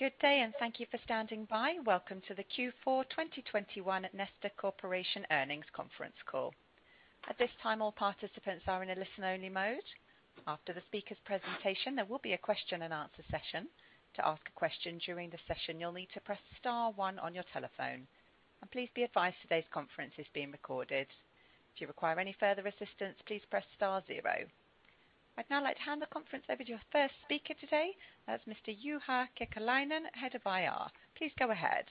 Good day, thank you for standing by. Welcome to the Q4 2021 Neste Corporation earnings conference call. At this time, all participants are in a listen-only mode. After the speaker's presentation, there will be a question and answer session. To ask a question during the session, you'll need to press star one on your telephone. Please be advised, today's conference is being recorded. Do you require any further assistance, please press star zero. I'd now like to hand the conference over to your first speaker today. That's Mr. Juha-Pekka Kekäläinen, head of IR. Please go ahead.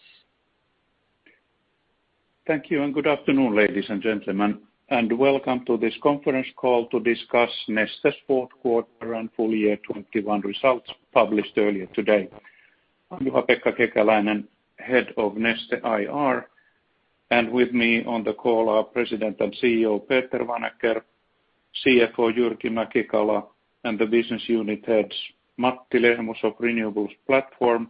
Thank you, and good afternoon, ladies and gentlemen, and welcome to this conference call to discuss Neste's fourth quarter and full year 2021 results published earlier today. I'm Juha-Pekka Kekäläinen, head of Neste IR. With me on the call are President and CEO Peter Vanacker, CFO Jyrki Mäki-Kala, and the business unit heads, Matti Lehmus of Renewables Platform,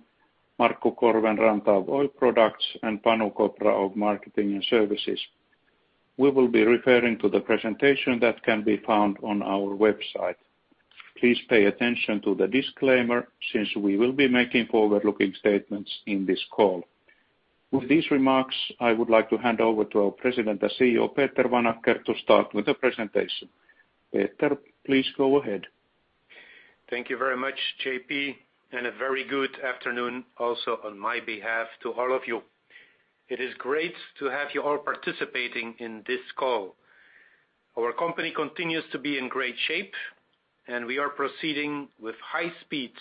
Markku Korvenranta of Oil Products, and Panu Kopra of Marketing and Services. We will be referring to the presentation that can be found on our website. Please pay attention to the disclaimer since we will be making forward-looking statements in this call. With these remarks, I would like to hand over to our President and CEO Peter Vanacker to start with the presentation. Peter, please go ahead. Thank you very much, JP, and a very good afternoon also on my behalf to all of you. It is great to have you all participating in this call. Our company continues to be in great shape, and we are proceeding with high speed,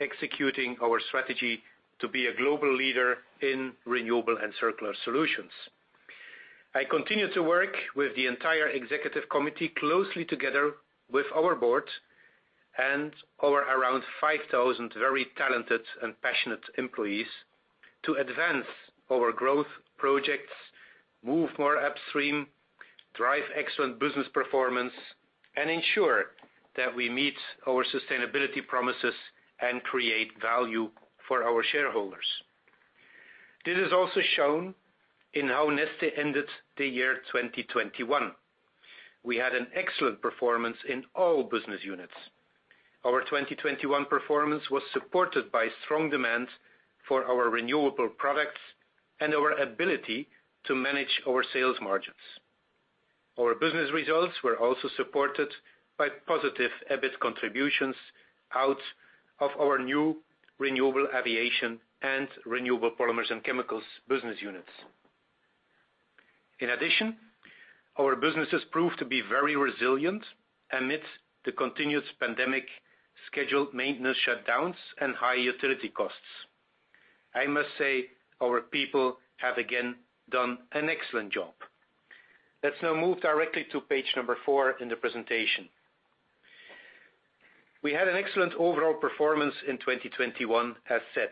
executing our strategy to be a global leader in renewable and circular solutions. I continue to work with the entire executive committee closely together with our board and our around 5,000 very talented and passionate employees to advance our growth projects, move more upstream, drive excellent business performance, and ensure that we meet our sustainability promises and create value for our shareholders. This is also shown in how Neste ended the year 2021. We had an excellent performance in all business units. Our 2021 performance was supported by strong demand for our renewable products and our ability to manage our sales margins. Our business results were also supported by positive EBIT contributions out of our new Renewable Aviation and Renewable Polymers & Chemicals business units. In addition, our businesses proved to be very resilient amidst the continuous pandemic scheduled maintenance shutdowns, and high utility costs. I must say, our people have again done an excellent job. Let's now move directly to page number four in the presentation. We had an excellent overall performance in 2021 as said.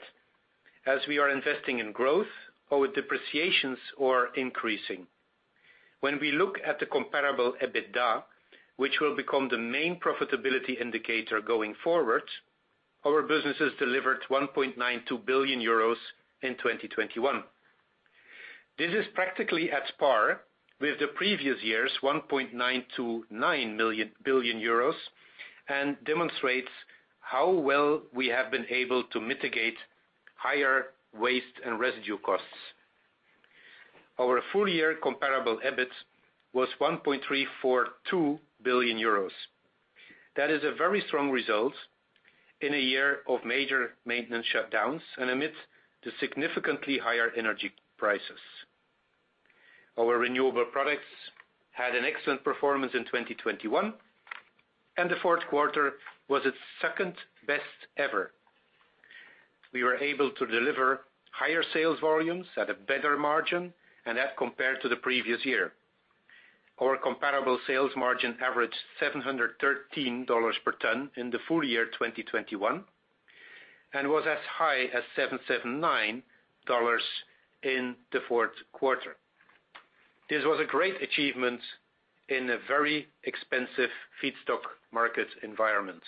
As we are investing in growth, our depreciations are increasing. When we look at the comparable EBITDA, which will become the main profitability indicator going forward, our businesses delivered 1.92 billion euros in 2021. This is practically at par with the previous year's 1.929 billion euros and demonstrates how well we have been able to mitigate higher waste and residue costs. Our full-year comparable EBIT was 1.342 billion euros. That is a very strong result in a year of major maintenance shutdowns and amidst the significantly higher energy prices. Our renewable products had an excellent performance in 2021, and the fourth quarter was its second best ever. We were able to deliver higher sales volumes at a better margin and as compared to the previous year. Our comparable sales margin averaged $713 per ton in the full year 2021 and was as high as $779 in the fourth quarter. This was a great achievement in a very expensive feedstock market environment.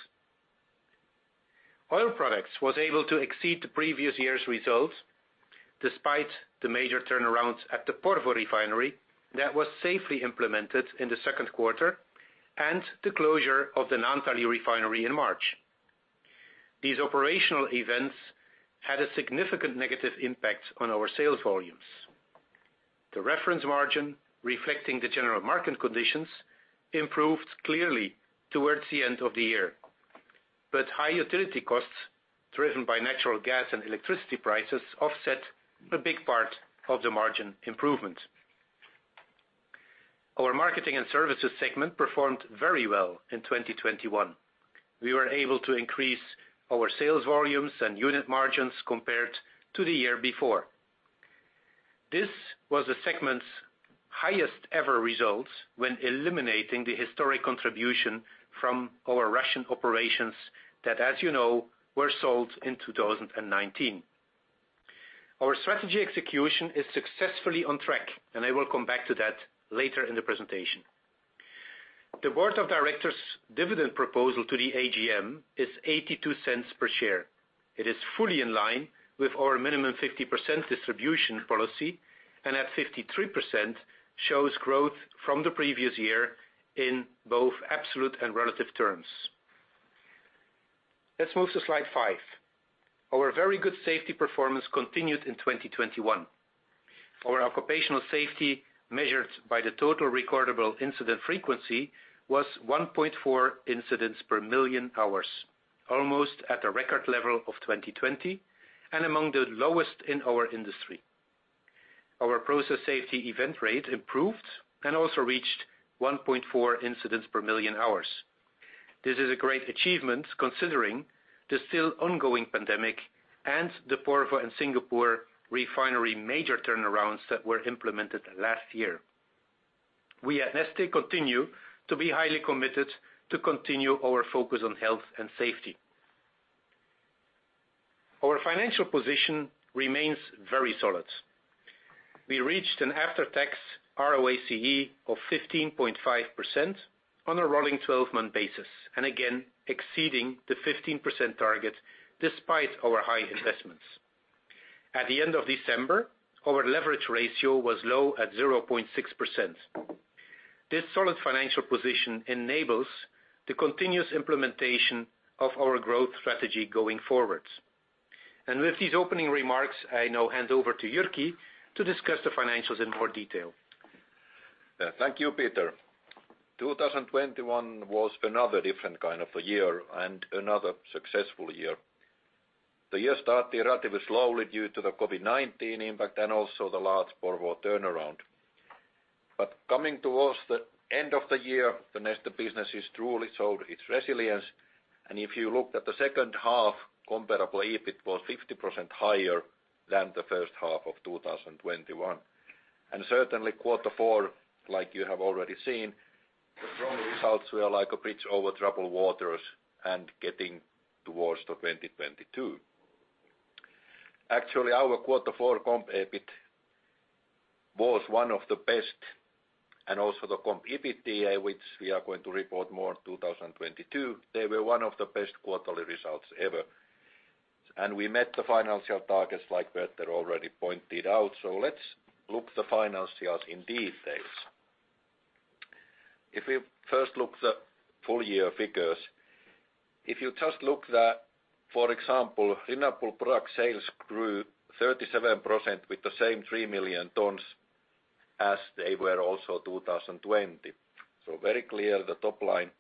Oil Products was able to exceed the previous year's results despite the major turnarounds at the Porvoo Refinery that was safely implemented in the second quarter and the closure of the Naantali Refinery in March. These operational events had a significant negative impact on our sales volumes. The reference margin, reflecting the general market conditions, improved clearly towards the end of the year. High utility costs driven by natural gas and electricity prices offset a big part of the margin improvement. Our Marketing and Services segment performed very well in 2021. We were able to increase our sales volumes and unit margins compared to the year before. This was the segment's highest ever result when eliminating the historic contribution from our Russian operations that, as you know, were sold in 2019. Our strategy execution is successfully on track, and I will come back to that later in the presentation. The Board of Directors dividend proposal to the AGM is 0.82 per share. It is fully in line with our minimum 50% distribution policy, and at 53%, shows growth from the previous year in both absolute and relative terms. Let's move to slide five. Our very good safety performance continued in 2021. Our occupational safety, measured by the total recordable incident frequency, was 1.4 incidents per million hours, almost at a record level of 2020 and among the lowest in our industry. Our process safety event rate improved and also reached 1.4 incidents per million hours. This is a great achievement considering the still ongoing pandemic and the Porvoo and Singapore refinery major turnarounds that were implemented last year. We at Neste continue to be highly committed to continue our focus on health and safety. Our financial position remains very solid. We reached an after-tax ROACE of 15.5% on a rolling 12-month basis and again exceeding the 15% target despite our high investments. At the end of December, our leverage ratio was low at 0.6%. This solid financial position enables the continuous implementation of our growth strategy going forward. With these opening remarks, I now hand over to Jyrki to discuss the financials in more detail. Thank you, Peter. 2021 was another different kind of a year and another successful year. The year started relatively slowly due to the COVID-19 impact and also the large Porvoo turnaround. Coming towards the end of the year, the Neste business has truly showed its resilience. If you looked at the second half comparable, it was 50% higher than the first half of 2021. Certainly quarter four, like you have already seen, the strong results were like a bridge over troubled waters and getting towards 2022. Actually, our quarter four comp EBIT was one of the best, and also the comp EBITDA, which we are going to report more in 2022, they were one of the best quarterly results ever. We met the financial targets like Peter already pointed out. Let's look at the financials in detail. If we first look at the full year figures, if you just look at that, for example, renewable product sales grew 37% with the same 3 million tons as they were in 2020. Very clear the top line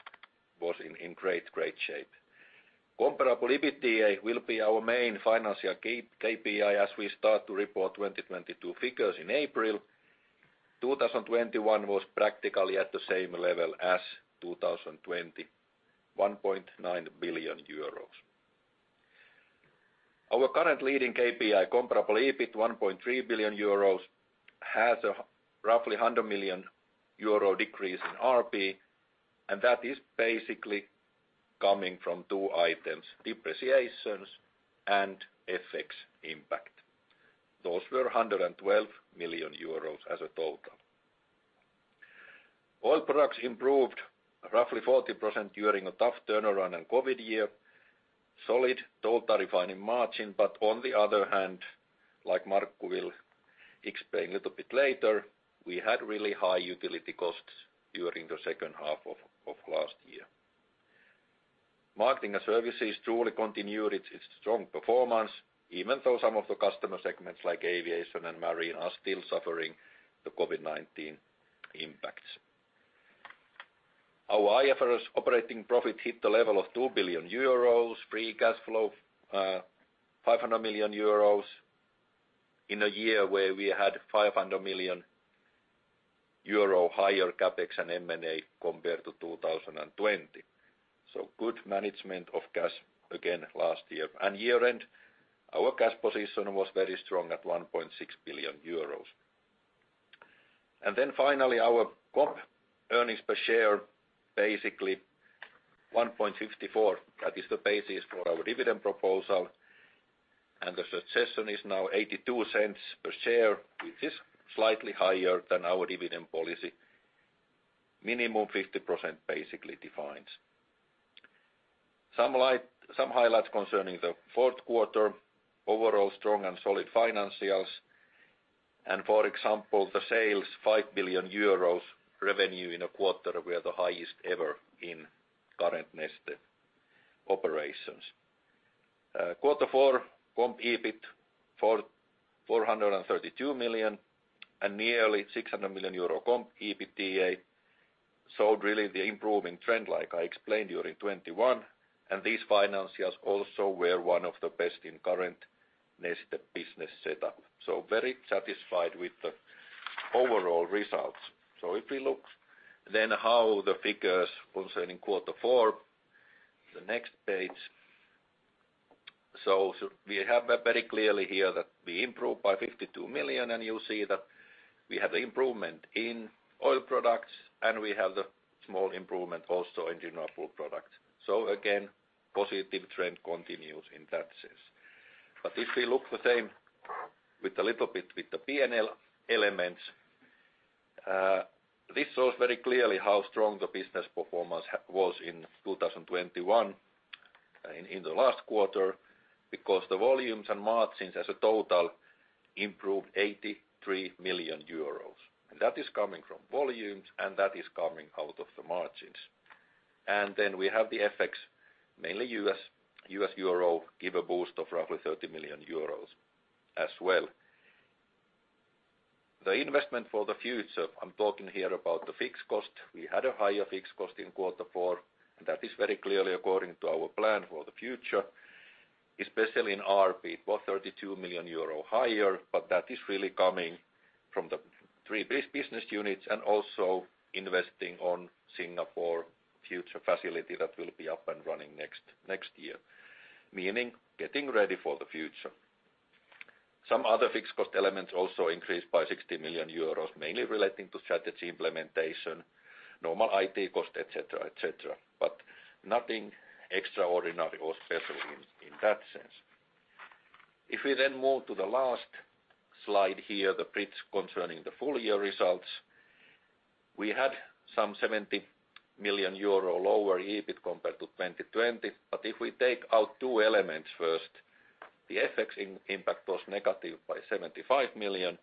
was in great shape. Comparable EBITDA will be our main financial KPI as we start to report 2022 figures in April. 2021 was practically at the same level as 2020, 1.9 billion euros. Our current leading KPI comparable EBIT, 1.3 billion euros, has a roughly 100 million euro decrease in RP, and that is basically coming from two items, depreciations and FX impact. Those were 112 million euros as a total. Oil Products improved roughly 40% during a tough turnaround and COVID year. Solid total refining margin, but on the other hand, like Markku will explain a little bit later, we had really high utility costs during the second half of last year. Marketing and Services truly continued its strong performance, even though some of the customer segments like aviation and marine are still suffering the COVID-19 impacts. Our IFRS operating profit hit the level of 2 billion euros, free cash flow 500 million euros in a year where we had 500 million euro higher CapEx and M&A compared to 2020. Good management of cash again last year. Year-end, our cash position was very strong at 1.6 billion euros. Finally, our COP earnings per share, basically 1.64. That is the basis for our dividend proposal. The dividend is now 0.82 per share, which is slightly higher than our dividend policy. Minimum 50% basically defines. Some highlights concerning the fourth quarter, overall strong and solid financials. For example, the sales, 5 billion euros revenue in a quarter were the highest ever in current Neste operations. Quarter four comp EBIT, 432 million, and nearly 600 million euro comp EBITDA showed really the improving trend, like I explained during 2021. These financials also were one of the best in current Neste business setup. Very satisfied with the overall results. If we look then how the figures concerning quarter four, the next page. We have very clearly here that we improved by 52 million, and you see that we have improvement in Oil Products, and we have the small improvement also in Renewable Products. Positive trend continues in that sense. If we look the same with a little bit with the P&L elements, this shows very clearly how strong the business performance was in 2021 in the last quarter, because the volumes and margins as a total improved 83 million euros. That is coming from volumes, and that is coming out of the margins. Then we have the FX, mainly USD euro give a boost of roughly 30 million euros as well. The investment for the future, I'm talking here about the fixed cost. We had a higher fixed cost in quarter four, and that is very clearly according to our plan for the future, especially in RP, for 32 million euro higher, but that is really coming from the three base business units and also investing on Singapore future facility that will be up and running next year, meaning getting ready for the future. Some other fixed cost elements also increased by 60 million euros, mainly relating to strategy implementation, normal IT cost, et cetera, but nothing extraordinary or special in that sense. If we move to the last slide here, the bridge concerning the full year results. We had some 70 million euro lower EBIT compared to 2020. If we take out two elements first, the FX impact was negative by 75 million,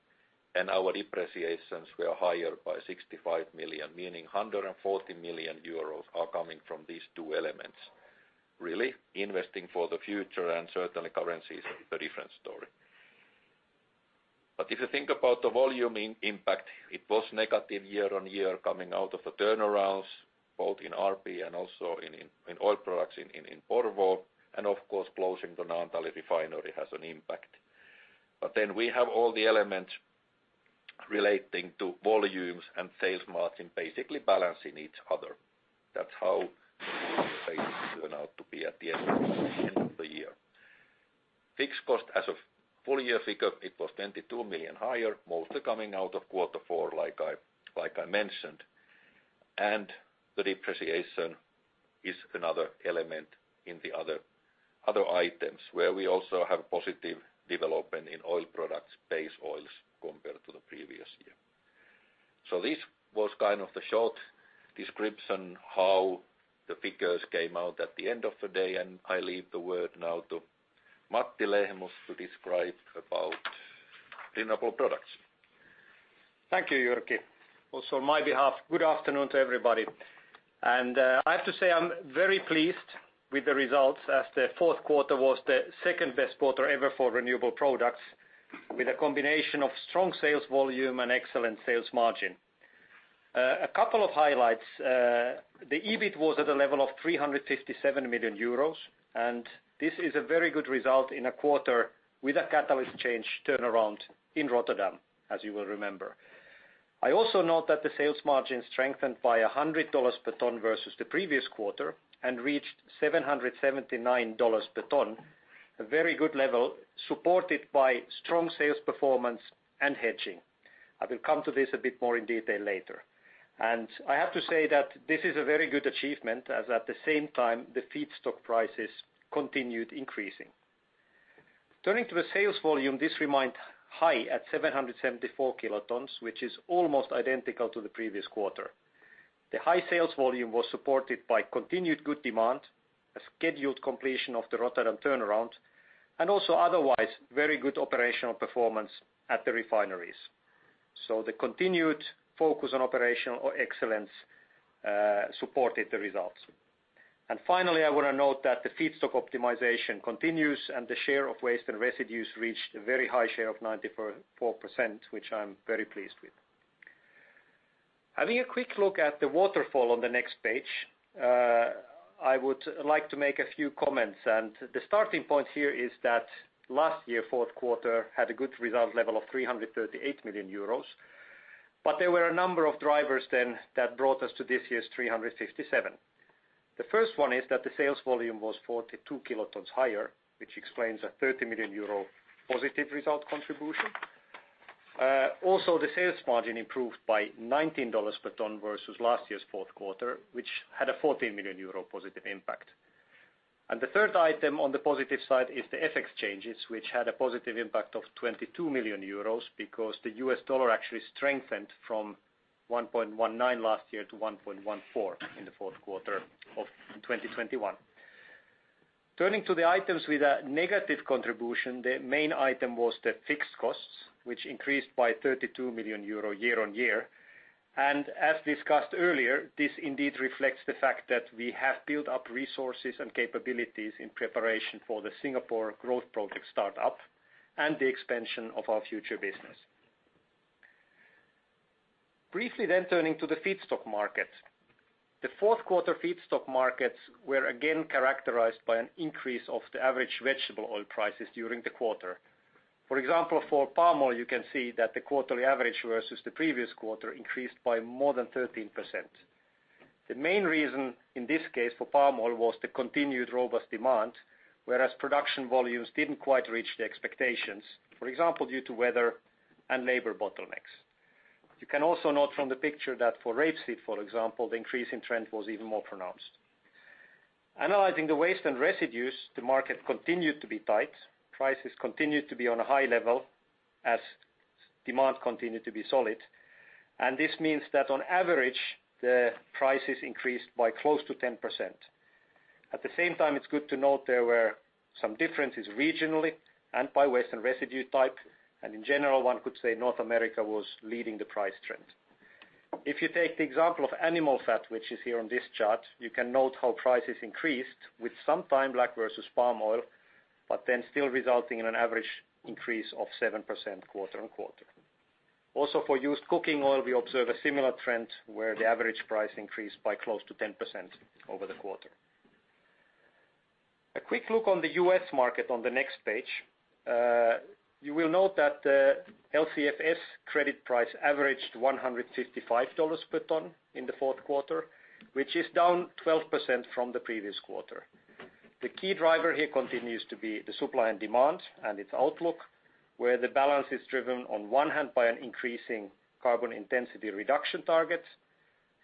and our depreciations were higher by 65 million, meaning 140 million euros are coming from these two elements. Really investing for the future and certainly currency is a different story. If you think about the volume impact, it was negative year-over-year coming out of the turnarounds, both in RP and also in oil products in Porvoo, and of course, closing the Naantali refinery has an impact. Then we have all the elements relating to volumes and sales margin basically balancing each other. That's how the sales turn out to be at the end of the year. Fixed cost as a full year figure, it was 22 million higher, mostly coming out of quarter four, like I mentioned. The depreciation is another element in the other items where we also have positive development in Oil Products, base oils compared to the previous year. This was kind of the short description how the figures came out at the end of the day. I leave the word now to Matti Lehmus to describe about renewable products. Thank you, Jyrki. On my behalf, good afternoon to everybody. I have to say I'm very pleased with the results as the fourth quarter was the second-best quarter ever for renewable products with a combination of strong sales volume and excellent sales margin. A couple of highlights. The EBIT was at a level of 357 million euros, and this is a very good result in a quarter with a catalyst change turnaround in Rotterdam, as you will remember. I also note that the sales margin strengthened by $100 per ton versus the previous quarter and reached $779 per ton, a very good level supported by strong sales performance and hedging. I will come to this a bit more in detail later. I have to say that this is a very good achievement, as at the same time, the feedstock prices continued increasing. Turning to the sales volume, this remained high at 774 kilotons, which is almost identical to the previous quarter. The high sales volume was supported by continued good demand, a scheduled completion of the Rotterdam turnaround, and also otherwise very good operational performance at the refineries. The continued focus on operational excellence supported the results. Finally, I want to note that the feedstock optimization continues, and the share of waste and residues reached a very high share of 94%, which I'm very pleased with. Having a quick look at the waterfall on the next page, I would like to make a few comments. The starting point here is that last year, fourth quarter, had a good result level of 338 million euros, but there were a number of drivers then that brought us to this year's 357. The first one is that the sales volume was 42 kilotons higher, which explains a 30 million euro positive result contribution. Also, the sales margin improved by $19 per ton versus last year's fourth quarter, which had a EUR 14 million positive impact. The third item on the positive side is the FX changes, which had a positive impact of 22 million euros because the US dollar actually strengthened from 1.19 last year to 1.14 in the fourth quarter of 2021. Turning to the items with a negative contribution, the main item was the fixed costs, which increased by 32 million euro year-on-year. As discussed earlier, this indeed reflects the fact that we have built up resources and capabilities in preparation for the Singapore growth project start up and the expansion of our future business. Briefly turning to the feedstock market. The fourth quarter feedstock markets were again characterized by an increase of the average vegetable oil prices during the quarter. For example, for palm oil, you can see that the quarterly average versus the previous quarter increased by more than 13%. The main reason in this case for palm oil was the continued robust demand, whereas production volumes didn't quite reach the expectations, for example, due to weather and labor bottlenecks. You can also note from the picture that for rapeseed, for example, the increase in trend was even more pronounced. Analyzing the waste and residues, the market continued to be tight. Prices continued to be on a high level as demand continued to be solid, and this means that on average, the prices increased by close to 10%. At the same time, it's good to note there were some differences regionally and by waste and residue type, and in general, one could say North America was leading the price trend. If you take the example of animal fat, which is here on this chart, you can note how prices increased with some time lag versus palm oil, but then still resulting in an average increase of 7% quarter-on-quarter. Also, for used cooking oil, we observe a similar trend where the average price increased by close to 10% over the quarter. A quick look on the U.S. market on the next page. You will note that the LCFS credit price averaged $155 per ton in the fourth quarter, which is down 12% from the previous quarter. The key driver here continues to be the supply and demand and its outlook, where the balance is driven on one hand by an increasing carbon intensity reduction target,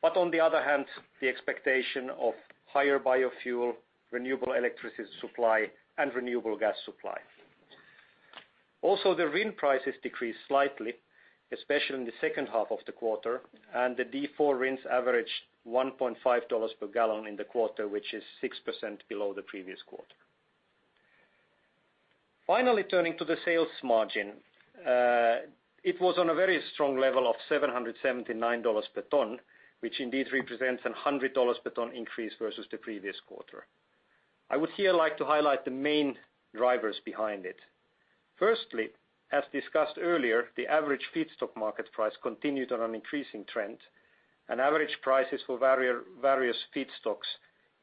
but on the other hand, the expectation of higher biofuel, renewable electricity supply and renewable gas supply. Also, the RIN prices decreased slightly, especially in the second half of the quarter, and the D4 RINs averaged $1.5 per gallon in the quarter, which is 6% below the previous quarter. Finally, turning to the sales margin, it was on a very strong level of $779 per ton, which indeed represents a $100 per ton increase versus the previous quarter. I would here like to highlight the main drivers behind it. Firstly, as discussed earlier, the average feedstock market price continued on an increasing trend, and average prices for various feedstocks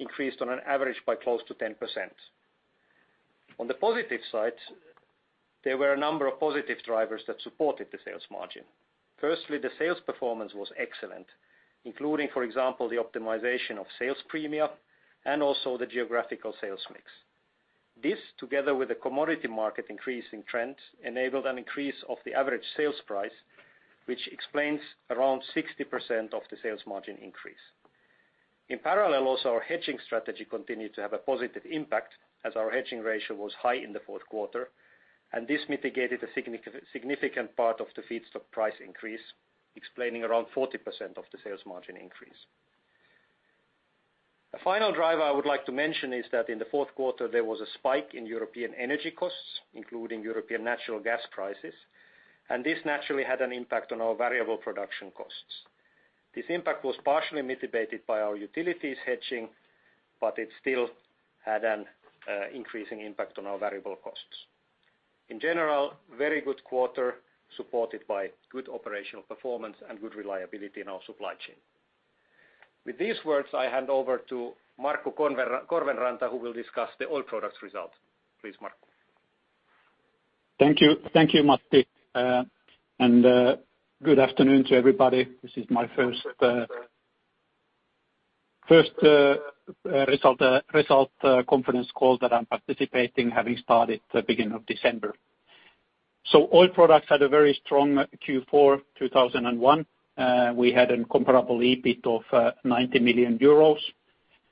increased on an average by close to 10%. On the positive side, there were a number of positive drivers that supported the sales margin. Firstly, the sales performance was excellent, including, for example, the optimization of sales premia and also the geographical sales mix. This, together with the commodity market increasing trends, enabled an increase of the average sales price, which explains around 60% of the sales margin increase. In parallel, also, our hedging strategy continued to have a positive impact as our hedging ratio was high in the fourth quarter, and this mitigated a significant part of the feedstock price increase, explaining around 40% of the sales margin increase. A final driver I would like to mention is that in the fourth quarter, there was a spike in European energy costs, including European natural gas prices, and this naturally had an impact on our variable production costs. This impact was partially mitigated by our utilities hedging, but it still had an increasing impact on our variable costs. In general, very good quarter, supported by good operational performance and good reliability in our supply chain. With these words, I hand over to Markku Korvenranta, who will discuss the Oil Products result. Please, Markku. Thank you. Thank you, Matti. Good afternoon to everybody. This is my first result conference call that I'm participating, having started the beginning of December. Oil Products had a very strong Q4 2001. We had a comparable EBIT of 90 million euros,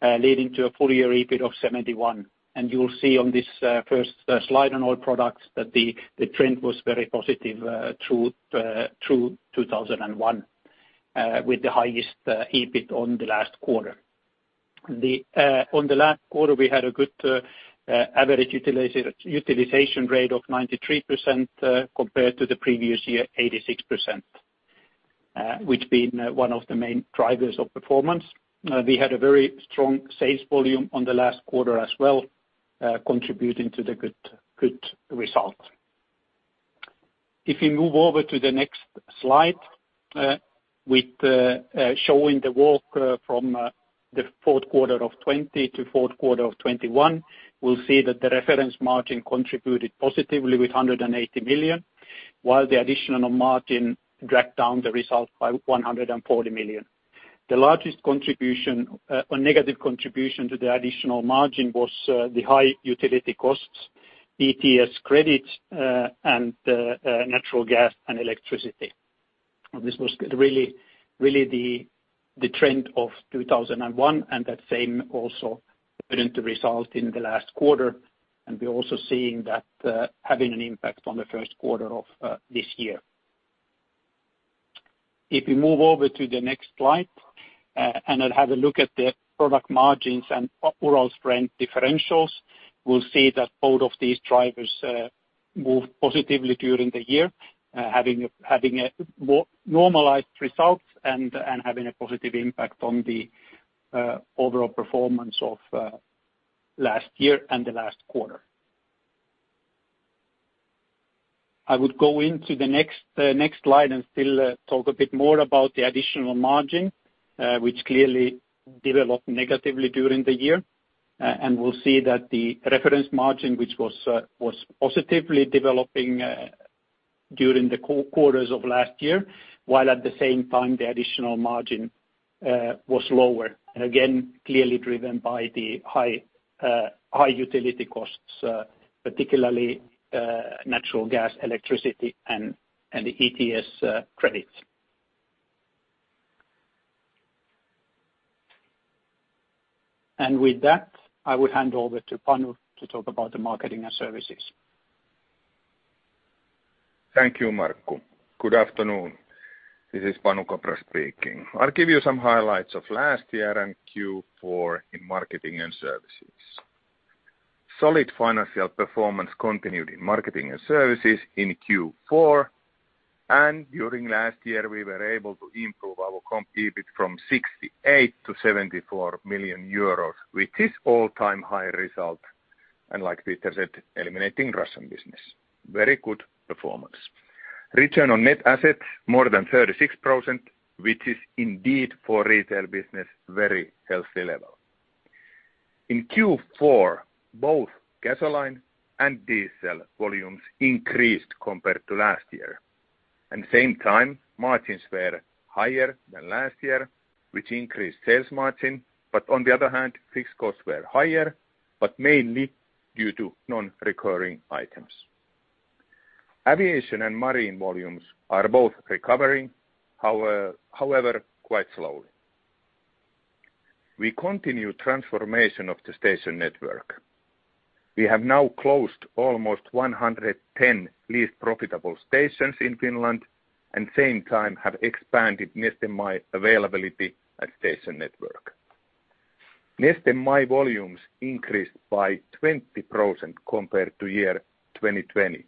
leading to a full-year EBIT of 71 million EUR. You'll see on this first slide on Oil Products that the trend was very positive through 2001, with the highest EBIT in the last quarter. On the last quarter, we had a good average utilization rate of 93%, compared to the previous year, 86%, which has been one of the main drivers of performance. We had a very strong sales volume on the last quarter as well, contributing to the good result. If we move over to the next slide with showing the work from the fourth quarter of 2020 to fourth quarter of 2021, we'll see that the reference margin contributed positively with 180 million, while the additional margin dragged down the result by 140 million. The largest contribution or negative contribution to the additional margin was the high utility costs, ETS credits, and natural gas and electricity. This was really the trend of 2021, and that same also put into result in the last quarter. We're also seeing that having an impact on the first quarter of this year. If you move over to the next slide, and have a look at the product margins and overall strength differentials, we'll see that both of these drivers moved positively during the year, having a more normalized results and having a positive impact on the overall performance of last year and the last quarter. I would go into the next slide and still talk a bit more about the additional margin, which clearly developed negatively during the year. We'll see that the reference margin, which was positively developing during the quarters of last year, while at the same time the additional margin was lower. Again, clearly driven by the high utility costs, particularly natural gas, electricity and the ETS credits. With that, I will hand over to Panu to talk about the Marketing and Services. Thank you, Markku. Good afternoon. This is Panu Kopra speaking. I'll give you some highlights of last year and Q4 in Marketing and Services. Solid financial performance continued in Marketing and Services in Q4, and during last year we were able to improve our comp EBIT from 68 million to 74 million euros, which is all-time high result, and like Peter said, eliminating Russian business. Very good performance. Return on net assets more than 36%, which is indeed for retail business, very healthy level. In Q4, both gasoline and diesel volumes increased compared to last year. At the same time, margins were higher than last year, which increased sales margin. On the other hand, fixed costs were higher, but mainly due to non-recurring items. Aviation and marine volumes are both recovering, however, quite slowly. We continue transformation of the station network. We have now closed almost 110 least profitable stations in Finland, and at the same time have expanded Neste MY availability at station network. Neste MY volumes increased by 20% compared to 2020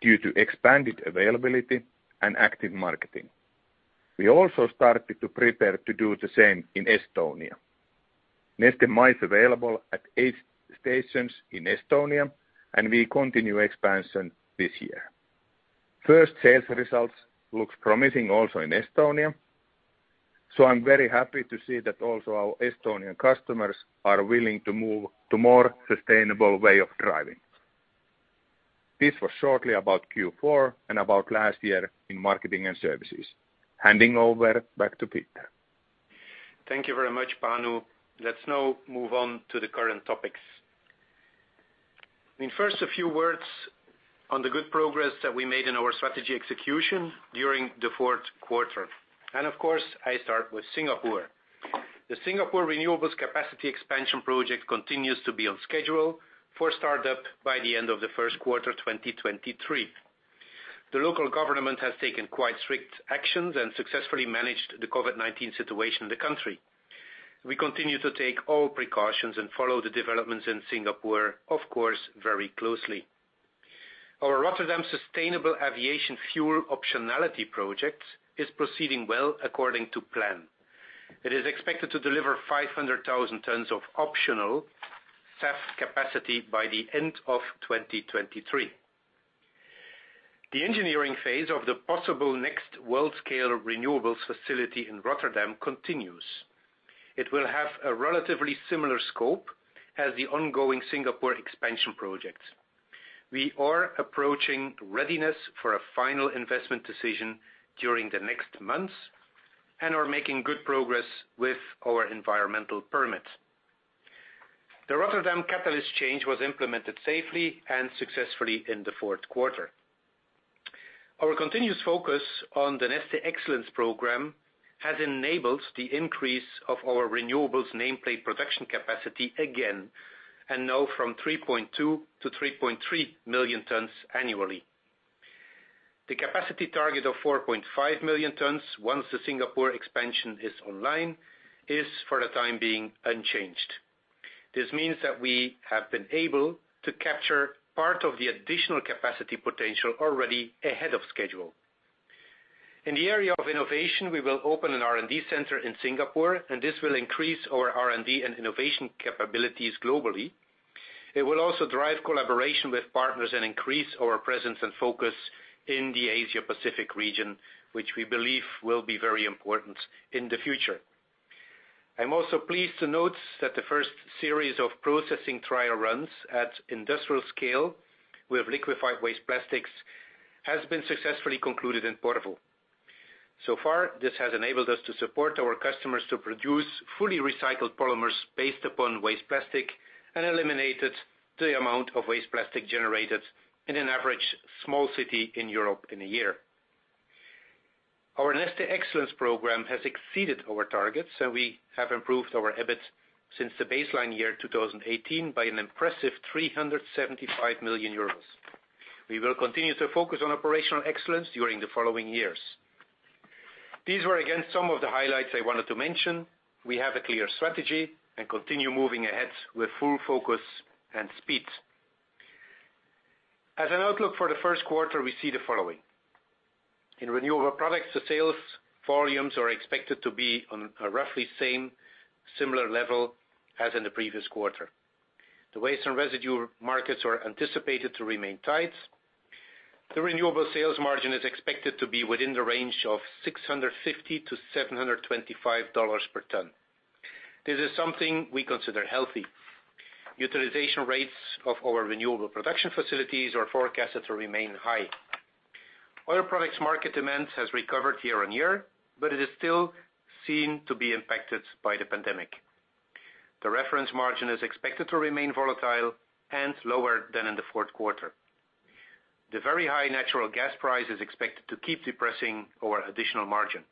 due to expanded availability and active marketing. We also started to prepare to do the same in Estonia. Neste MY is available at eight stations in Estonia, and we continue expansion this year. First sales results looks promising also in Estonia, so I'm very happy to see that also our Estonian customers are willing to move to more sustainable way of driving. This was shortly about Q4 and about last year in Marketing and Services. Handing over back to Peter. Thank you very much, Panu. Let's now move on to the current topics. I mean, first, a few words on the good progress that we made in our strategy execution during the fourth quarter, and of course, I start with Singapore. The Singapore renewables capacity expansion project continues to be on schedule for start up by the end of the first quarter 2023. The local government has taken quite strict actions and successfully managed the COVID-19 situation in the country. We continue to take all precautions and follow the developments in Singapore, of course, very closely. Our Rotterdam Sustainable Aviation Fuel optionality project is proceeding well according to plan. It is expected to deliver 500,000 tons of optionality SAF capacity by the end of 2023. The engineering phase of the possible next world scale renewables facility in Rotterdam continues. It will have a relatively similar scope as the ongoing Singapore expansion project. We are approaching readiness for a final investment decision during the next months and are making good progress with our environmental permits. The Rotterdam catalyst change was implemented safely and successfully in the fourth quarter. Our continuous focus on the Neste Excellence Program has enabled the increase of our renewables nameplate production capacity again and now from 3.2 million tons-3.3 million tons annually. The capacity target of 4.5 million tons, once the Singapore expansion is online, is for the time being unchanged. This means that we have been able to capture part of the additional capacity potential already ahead of schedule. In the area of innovation, we will open an R&D center in Singapore, and this will increase our R&D and innovation capabilities globally. It will also drive collaboration with partners and increase our presence and focus in the Asia-Pacific region, which we believe will be very important in the future. I'm also pleased to note that the first series of processing trial runs at industrial scale with liquefied waste plastics has been successfully concluded in Porvoo. So far, this has enabled us to support our customers to produce fully recycled polymers based upon waste plastic and eliminated the amount of waste plastic generated in an average small city in Europe in a year. Our Neste Excellence Program has exceeded our targets, and we have improved our EBIT since the baseline year, 2018, by an impressive EUR 375 million. We will continue to focus on operational excellence during the following years. These were again, some of the highlights I wanted to mention. We have a clear strategy and continue moving ahead with full focus and speed. As an outlook for the first quarter, we see the following. In Renewable Products, the sales volumes are expected to be on a roughly same similar level as in the previous quarter. The waste and residue markets are anticipated to remain tight. The renewable sales margin is expected to be within the range of $650-$725 per ton. This is something we consider healthy. Utilization rates of our renewable production facilities are forecasted to remain high. Oil Products market demand has recovered year-on-year, but it is still seen to be impacted by the pandemic. The reference margin is expected to remain volatile and lower than in the fourth quarter. The very high natural gas price is expected to keep depressing our additional margin.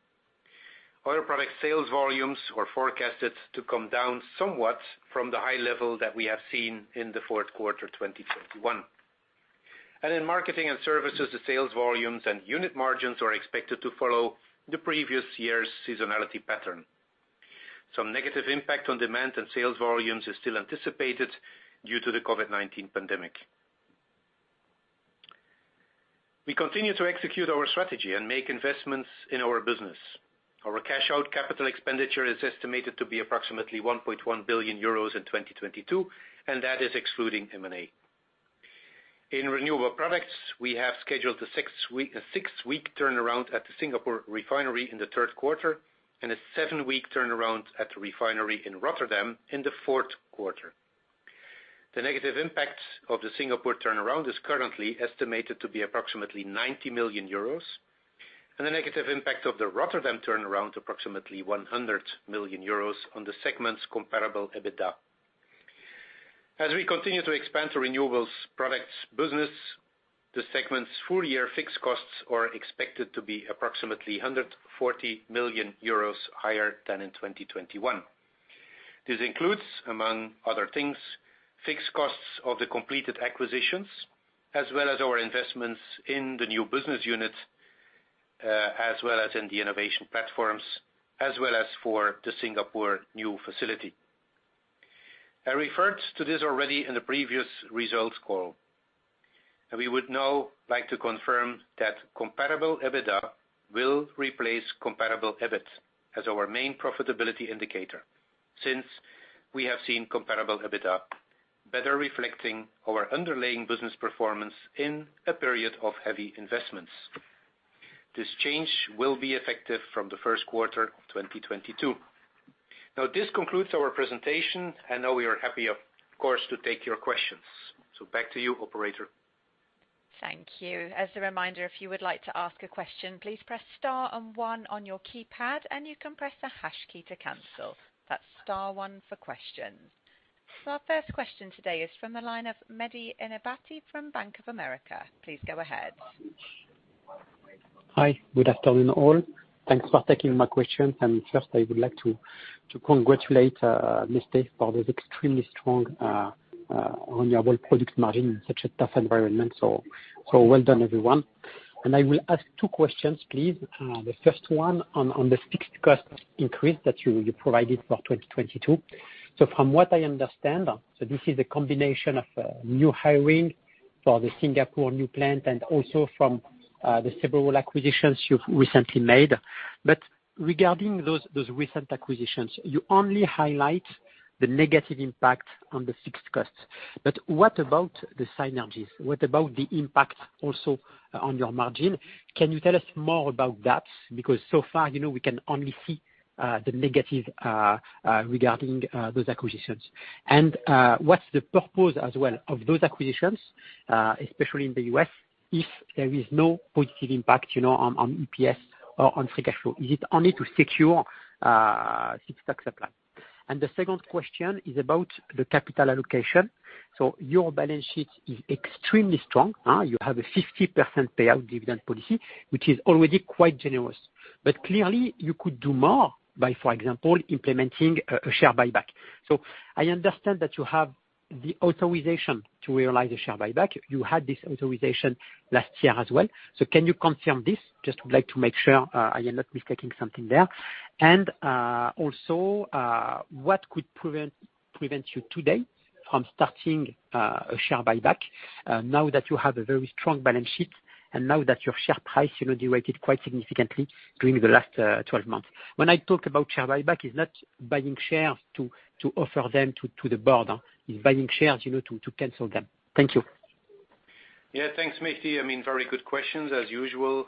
Oil Products sales volumes are forecasted to come down somewhat from the high level that we have seen in the fourth quarter, 2021. In Marketing and Services, the sales volumes and unit margins are expected to follow the previous year's seasonality pattern. Some negative impact on demand and sales volumes is still anticipated due to the COVID-19 pandemic. We continue to execute our strategy and make investments in our business. Our cash-out capital expenditure is estimated to be approximately 1.1 billion euros in 2022, and that is excluding M&A. In Renewable Products, we have scheduled a six-week turnaround at the Singapore refinery in the third quarter and a seven-week turnaround at the refinery in Rotterdam in the fourth quarter. The negative impact of the Singapore turnaround is currently estimated to be approximately 90 million euros and the negative impact of the Rotterdam turnaround approximately 100 million euros on the segment's comparable EBITDA. As we continue to expand the renewables products business, the segment's full year fixed costs are expected to be approximately 140 million euros higher than in 2021. This includes, among other things, fixed costs of the completed acquisitions as well as our investments in the new business units, as well as in the innovation platforms, as well as for the Singapore new facility. I referred to this already in a previous results call, and we would now like to confirm that comparable EBITDA will replace comparable EBIT as our main profitability indicator since we have seen comparable EBITDA better reflecting our underlying business performance in a period of heavy investments. This change will be effective from the first quarter 2022. Now this concludes our presentation and now we are happy, of course, to take your questions. Back to you, operator. Thank you. As a reminder, if you would like to ask a question, please press star and one on your keypad and you can press the Hash key to cancel. That's star one for questions. Our first question today is from the line of Mehdi Ennabati from Bank of America. Please go ahead. Hi. Good afternoon, all. Thanks for taking my questions. First I would like to congratulate Neste for this extremely strong renewable product margin in such a tough environment. Well done everyone. I will ask two questions, please. The first one on the fixed cost increase that you provided for 2022. From what I understand, this is a combination of new hiring for the Singapore new plant and also from the several acquisitions you've recently made. Regarding those recent acquisitions, you only highlight the negative impact on the fixed costs. What about the synergies? What about the impact also on your margin? Can you tell us more about that? Because so far, you know, we can only see the negative regarding those acquisitions. What's the purpose as well of those acquisitions, especially in the U.S. if there is no positive impact, you know, on EPS or on free cash flow? Is it only to secure feedstock supply? The second question is about the capital allocation. Your balance sheet is extremely strong. You have a 50% payout dividend policy, which is already quite generous. Clearly you could do more by, for example, implementing a share buyback. I understand that you have the authorization to realize the share buyback. You had this authorization last year as well. Can you confirm this? Just would like to make sure I am not mistaking something there. Also, what could prevent you today from starting a share buyback now that you have a very strong balance sheet and now that your share price, you know, deteriorated quite significantly during the last 12 months? When I talk about share buyback, it's not buying shares to offer them to the board. It's buying shares, you know, to cancel them. Thank you. Yeah. Thanks, Mehdi. I mean, very good questions as usual.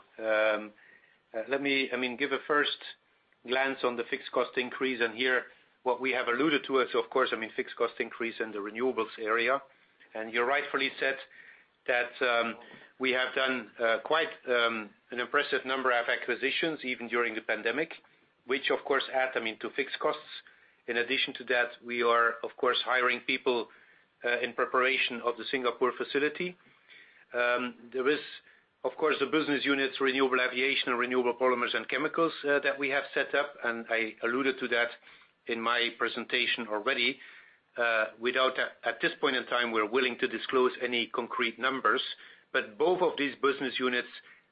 Let me, I mean, give a first glance on the fixed cost increase and here's what we have alluded to is of course, I mean, fixed cost increase in the renewables area. You rightfully said that we have done quite an impressive number of acquisitions even during the pandemic, which of course add, I mean, to fixed costs. In addition to that, we are of course hiring people in preparation of the Singapore facility. There is of course the business units, Renewable Aviation and Renewable Polymers & Chemicals, that we have set up, and I alluded to that in my presentation already. At this point in time, we're willing to disclose any concrete numbers, but both of these business units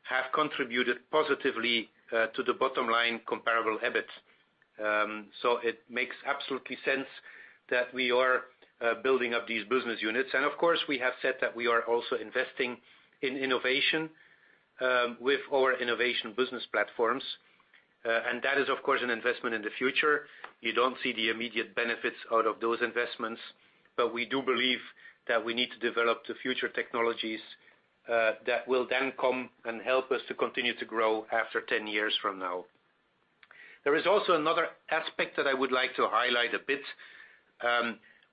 have contributed positively to the bottom line comparable EBIT. It makes absolute sense that we are building up these business units. Of course, we have said that we are also investing in innovation with our innovation business platforms. That is of course an investment in the future. You don't see the immediate benefits out of those investments, but we do believe that we need to develop the future technologies that will then come and help us to continue to grow after 10 years from now. There is also another aspect that I would like to highlight a bit.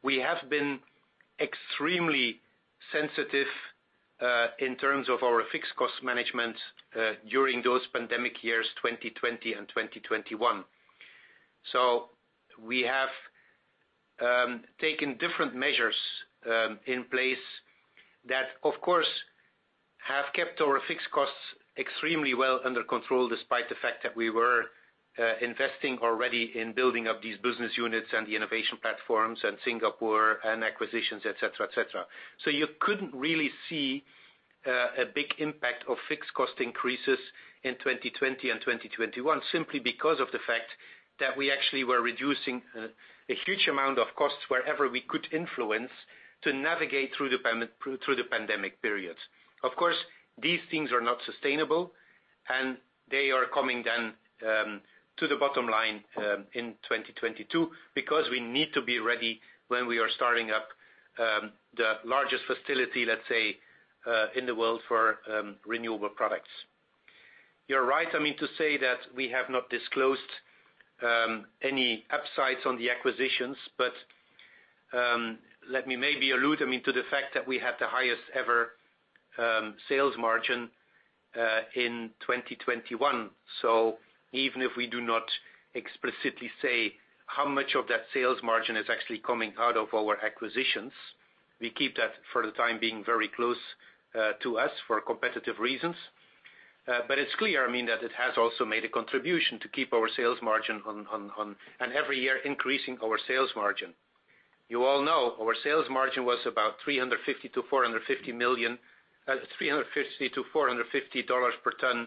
We have been extremely sensitive in terms of our fixed cost management during those pandemic years, 2020 and 2021. We have taken different measures in place that of course have kept our fixed costs extremely well under control despite the fact that we were investing already in building up these business units and the innovation platforms in Singapore and acquisitions, et cetera, et cetera. You couldn't really see a big impact of fixed cost increases in 2020 and 2021 simply because of the fact that we actually were reducing a huge amount of costs wherever we could influence to navigate through the pandemic period. Of course, these things are not sustainable, and they are coming then to the bottom line in 2022, because we need to be ready when we are starting up the largest facility, let's say, in the world for renewable products. You're right, I mean, to say that we have not disclosed any upsides on the acquisitions. Let me maybe allude, I mean, to the fact that we have the highest ever sales margin in 2021. Even if we do not explicitly say how much of that sales margin is actually coming out of our acquisitions, we keep that for the time being very close to us for competitive reasons. It's clear, I mean, that it has also made a contribution to keep our sales margin on and every year increasing our sales margin. You all know our sales margin was about 350 million-450 million, $350-$450 per ton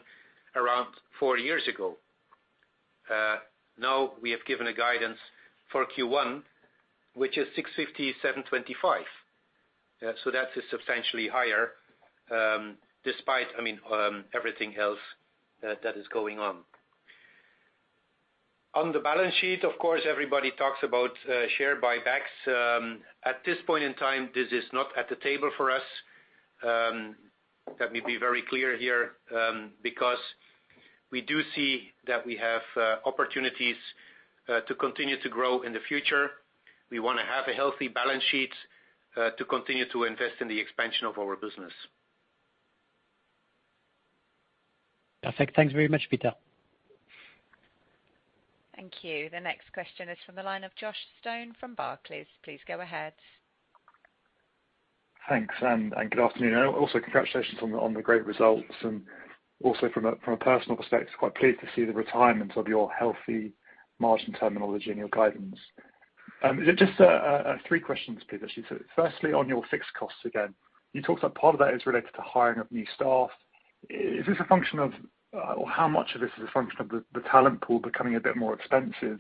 around four years ago. Now we have given a guidance for Q1, which is $650-$725. So that is substantially higher, despite, I mean, everything else that is going on. On the balance sheet, of course, everybody talks about share buybacks. At this point in time, this is not at the table for us. Let me be very clear here, because we do see that we have opportunities to continue to grow in the future. We wanna have a healthy balance sheet to continue to invest in the expansion of our business. Perfect. Thanks very much, Peter. Thank you. The next question is from the line of Josh Stone from Barclays. Please go ahead. Thanks, and good afternoon. Also, congratulations on the great results. Also from a personal perspective, quite pleased to see the retirement of your healthy margin terminology in your guidance. Just three questions, please. Firstly, on your fixed costs again, you talked about part of that is related to hiring of new staff. Is this a function of, or how much of this is a function of the talent pool becoming a bit more expensive?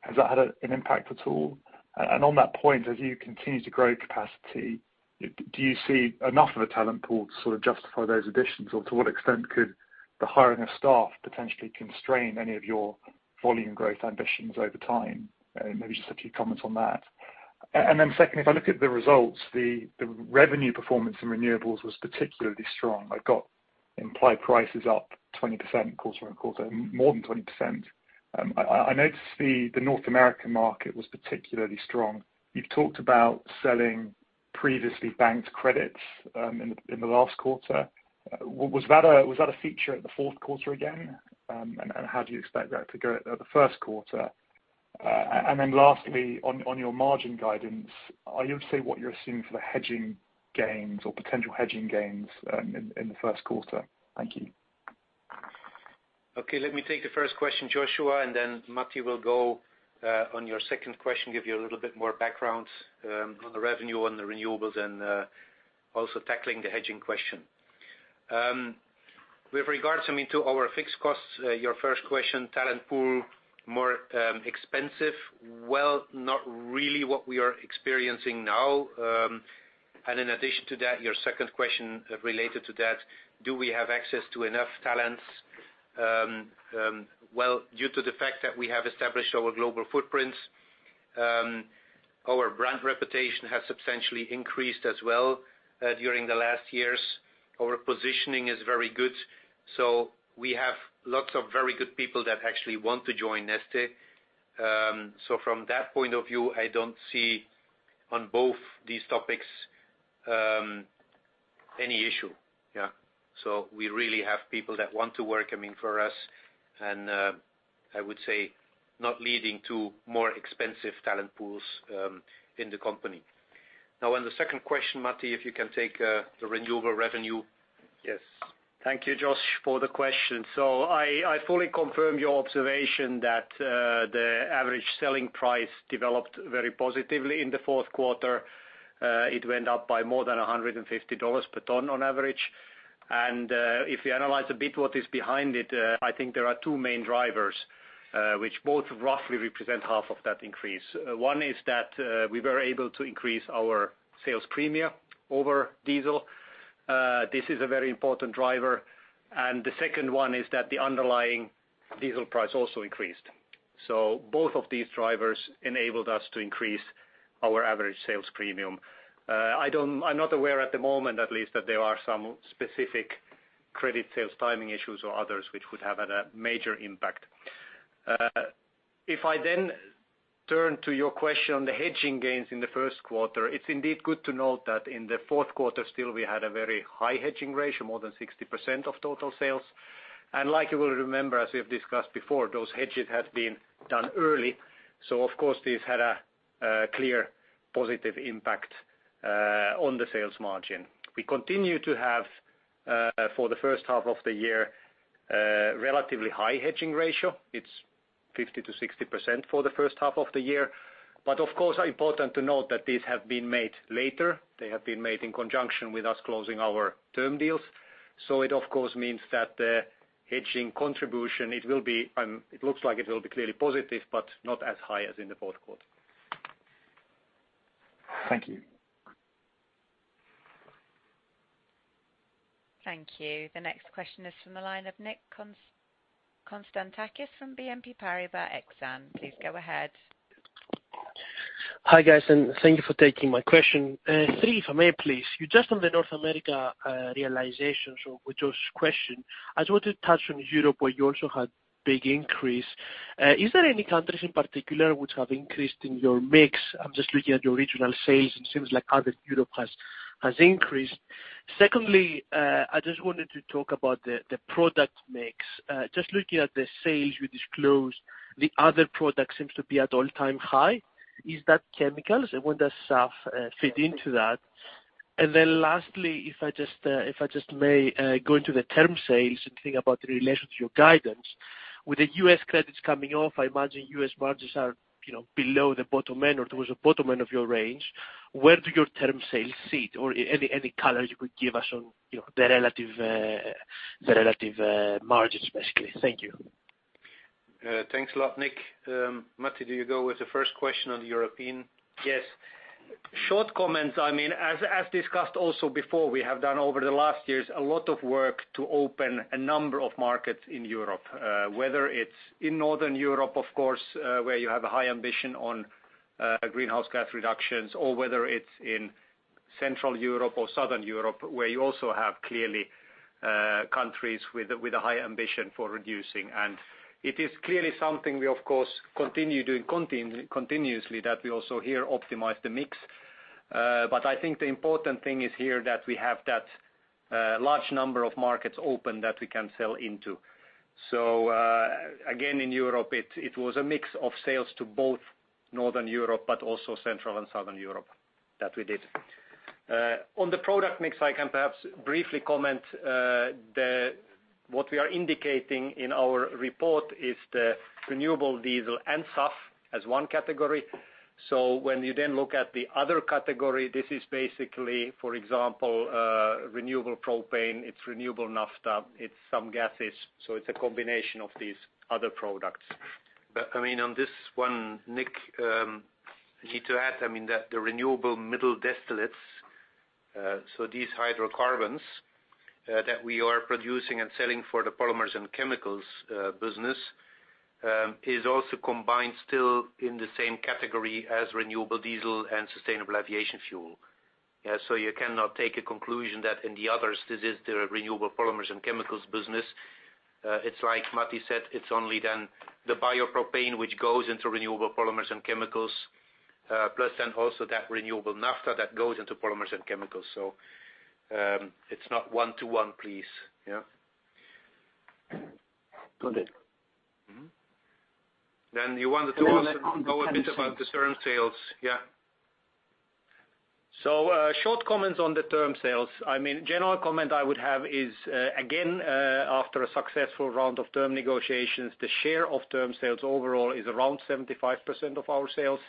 Has that had an impact at all? And on that point, as you continue to grow capacity, do you see enough of a talent pool to sort of justify those additions? Or to what extent could the hiring of staff potentially constrain any of your volume growth ambitions over time? Maybe just a few comments on that. Secondly, if I look at the results, the revenue performance in renewables was particularly strong. I got implied prices up 20% quarter-on-quarter, more than 20%. I noticed the North American market was particularly strong. You've talked about selling previously banked credits in the last quarter. Was that a feature in the fourth quarter again? How do you expect that to go in the first quarter? Lastly, on your margin guidance, are you gonna say what you're assuming for the hedging gains or potential hedging gains in the first quarter? Thank you. Okay, let me take the first question, Joshua, and then Matti will go on your second question, give you a little bit more background on the revenue on the renewables and also tackling the hedging question. With regards, I mean, to our fixed costs, your first question, talent pool, more expensive. Well, not really what we are experiencing now. And in addition to that, your second question related to that, do we have access to enough talents? Well, due to the fact that we have established our global footprints, our brand reputation has substantially increased as well during the last years. Our positioning is very good, so we have lots of very good people that actually want to join Neste. So from that point of view, I don't see on both these topics any issue. Yeah. We really have people that want to work, I mean, for us and, I would say not leading to more expensive talent pools, in the company. Now on the second question, Matti, if you can take, the renewable revenue. Yes. Thank you, Josh, for the question. I fully confirm your observation that the average selling price developed very positively in the fourth quarter. It went up by more than $150 per ton on average. If you analyze a bit what is behind it, I think there are two main drivers, which both roughly represent half of that increase. One is that we were able to increase our sales premia over diesel. This is a very important driver. The second one is that the underlying diesel price also increased. Both of these drivers enabled us to increase our average sales premium. I'm not aware at the moment at least that there are some specific credit sales timing issues or others which would have had a major impact. Uh, if I then turn to your question on the hedging gains in the first quarter. It's indeed good to note that in the fourth quarter still we had a very high hedging ratio, more than 60% of total sales. Like you will remember, as we have discussed before, those hedges had been done early. Of course, this had a clear positive impact on the sales margin. We continue to have for the first half of the year, a relatively high hedging ratio. It's 50%-60% for the first half of the year. Of course, important to note that these have been made later. They have been made in conjunction with us closing our term deals. It of course means that the hedging contribution, it looks like it will be clearly positive, but not as high as in the fourth quarter. Thank you. Thank you. The next question is from the line of Nick Konstantakis from BNP Paribas Exane. Please go ahead. Hi, guys, and thank you for taking my question. Three, if I may, please. You just on the North America realization. So with Josh's question, I just want to touch on Europe, where you also had big increase. Is there any countries in particular which have increased in your mix? I'm just looking at your organic sales, it seems like other Europe has increased. Secondly, I just wanted to talk about the product mix. Just looking at the sales you disclosed, the other product seems to be at all-time high. Is that chemicals, and would the SAF fit into that? Then lastly, if I just may go into the term sales and think about the relation to your guidance. With the U.S. credits coming off, I imagine U.S. margins are, you know, below the bottom end or towards the bottom end of your range. Where do your term sales sit or any color you could give us on, you know, the relative margins, basically? Thank you. Thanks a lot, Nick. Matti, do you go with the first question on European? Yes. Short comments, I mean, as discussed also before, we have done over the last years a lot of work to open a number of markets in Europe. Whether it's in Northern Europe, of course, where you have a high ambition on greenhouse gas reductions or whether it's in Central Europe or Southern Europe, where you also have clearly countries with a high ambition for reducing. It is clearly something we of course continue doing continuously, that we also here optimize the mix. I think the important thing is here that we have that large number of markets open that we can sell into. Again, in Europe, it was a mix of sales to both Northern Europe, but also Central and Southern Europe that we did. On the product mix, I can perhaps briefly comment. What we are indicating in our report is the renewable diesel and SAF as one category. When you then look at the other category, this is basically, for example, renewable propane, it's renewable naphtha, it's some gases. It's a combination of these other products. I mean, on this one, Nick, I need to add, I mean, that the renewable middle distillates, so these hydrocarbons that we are producing and selling for the Renewable Polymers and Chemicals business, is also combined still in the same category as renewable diesel and sustainable aviation fuel. You cannot take a conclusion that in the others, this is the Renewable Polymers and Chemicals business. It's like Matti said, it's only then the biopropane which goes into Renewable Polymers and Chemicals, plus then also that renewable naphtha that goes into Renewable Polymers and Chemicals. It's not one to one, please. Yeah. Got it. Mm-hmm. You wanted to also. On the term sales. Know a bit about the term sales. Yeah. Short comments on the term sales. I mean, general comment I would have is, again, after a successful round of term negotiations, the share of term sales overall is around 75% of our sales.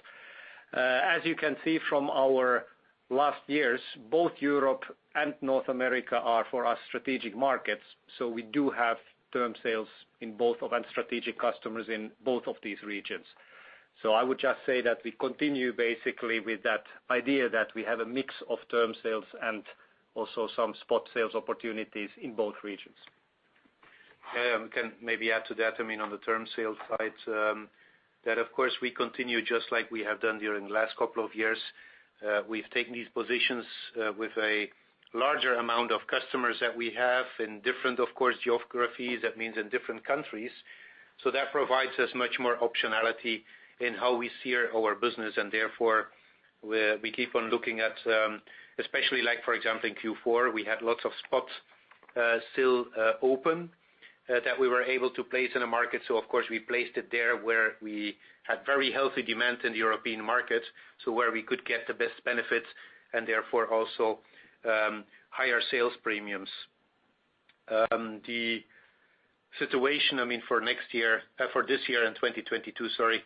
As you can see from our last years, both Europe and North America are our strategic markets. We do have term sales in both, and strategic customers in both of these regions. I would just say that we continue basically with that idea that we have a mix of term sales and also some spot sales opportunities in both regions. Yeah. I can maybe add to that, I mean, on the term sales side, that of course, we continue just like we have done during the last couple of years. We've taken these positions with a larger amount of customers that we have in different, of course, geographies. That means in different countries. That provides us much more optionality in how we steer our business. Therefore, we keep on looking at, especially like for example, in Q4, we had lots of spots still open that we were able to place in the market. Of course, we placed it there where we had very healthy demand in the European market, so where we could get the best benefits and therefore also higher sales premiums. The situation, I mean, for next year, for this year and 2022, sorry,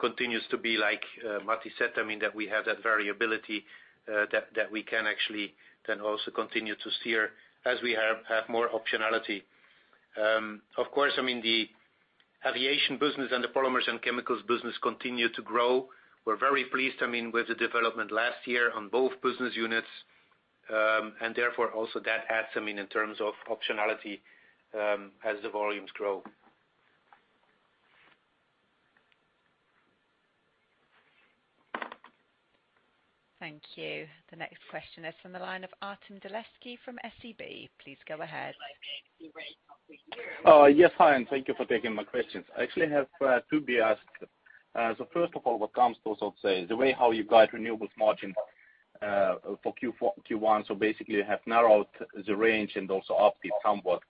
continues to be like, Matti said, I mean, that we have that variability, that we can actually then also continue to steer as we have more optionality. Of course, I mean, the aviation business and the polymers and chemicals business continue to grow. We're very pleased, I mean, with the development last year on both business units, and therefore also that adds, I mean, in terms of optionality, as the volumes grow. Thank you. The next question is from the line of Artem Beletski from SEB. Please go ahead. Yes, hi, and thank you for taking my questions. I actually have two to be asked. First of all, when it comes to the way how you guide renewables margin for Q4-Q1, basically you have narrowed the range and also upped it somewhat.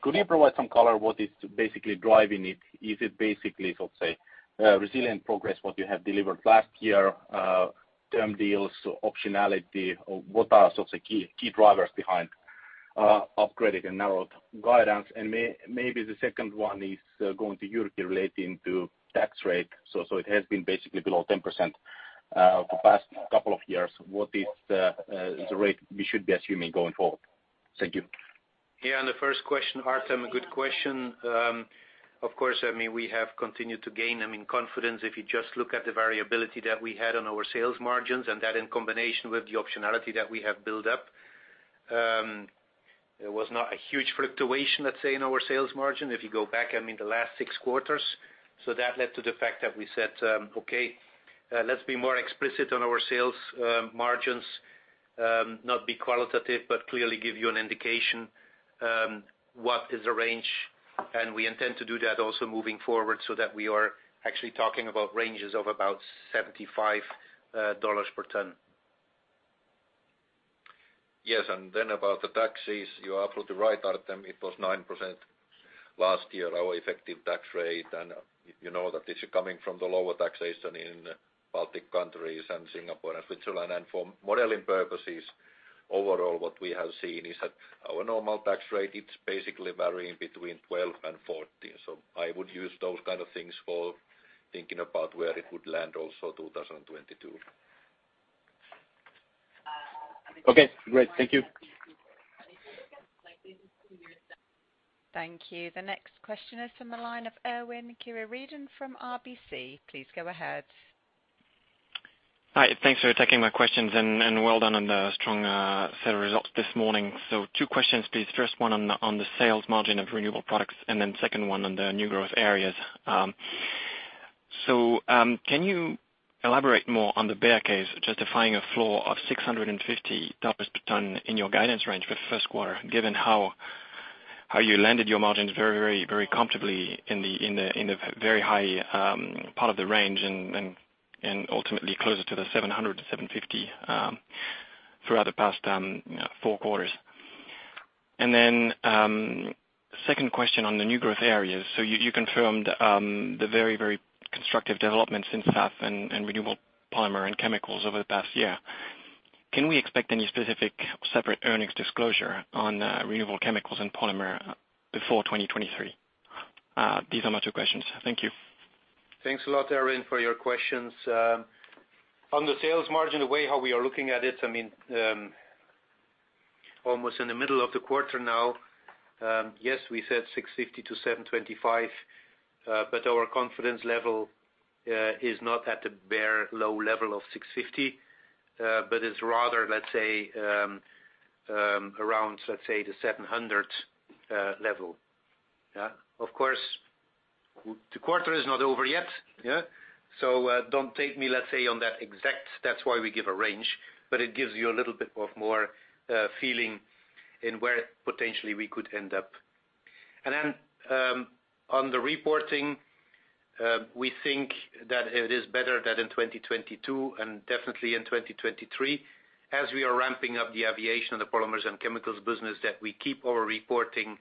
Could you provide some color on what is basically driving it? Is it basically, sort of, say, resilient progress that you have delivered last year, term deals, optionality? What are sort of key drivers behind upgraded and narrowed guidance? Maybe the second one is going to Jyrki relating to tax rate. It has been basically below 10% the past couple of years. What is the rate we should be assuming going forward? Thank you. Yeah, on the first question, Artem, a good question. Of course, I mean, we have continued to gain, I mean, confidence. If you just look at the variability that we had on our sales margins, and that in combination with the optionality that we have built up, it was not a huge fluctuation, let's say, in our sales margin if you go back, I mean, the last six quarters. That led to the fact that we said, "Okay, let's be more explicit on our sales margins, not be qualitative, but clearly give you an indication what is the range." We intend to do that also moving forward so that we are actually talking about ranges of about $75 per ton. Yes, about the taxes, you are absolutely right, Artem. It was 9% last year, our effective tax rate. You know that this is coming from the lower taxation in Baltic countries and Singapore and Switzerland. For modeling purposes, overall what we have seen is that our normal tax rate, it's basically varying between 12%-14%. I would use those kind of things for thinking about where it would land also 2022. Okay, great. Thank you. Thank you. The next question is from the line of Erwan Kerouredan from RBC. Please go ahead. Hi. Thanks for taking my questions and well done on the strong set of results this morning. Two questions, please. First one on the sales margin of renewable products and then second one on the new growth areas. Can you elaborate more on the bear case justifying a low of $650 per ton in your guidance range for the first quarter, given how you landed your margins very comfortably in the very high part of the range and ultimately closer to $700-$750 throughout the past four quarters? Second question on the new growth areas. You confirmed the very constructive developments in SAF and Renewable Polymers & Chemicals over the past year. Can we expect any specific separate earnings disclosure on renewable chemicals and polymer before 2023? These are my two questions. Thank you. Thanks a lot, Erwan, for your questions. On the sales margin, the way how we are looking at it, I mean, almost in the middle of the quarter now, yes, we said $650-$725, but our confidence level is not at the bare low level of $650, but it's rather, let's say, around, let's say the $700 level. Yeah. Of course, the quarter is not over yet, yeah? Don't take me, let's say, on that exact. That's why we give a range, but it gives you a little bit of more feeling in where potentially we could end up. On the reporting, we think that it is better that in 2022 and definitely in 2023, as we are ramping up the aviation and the polymers and chemicals business, that we keep our reporting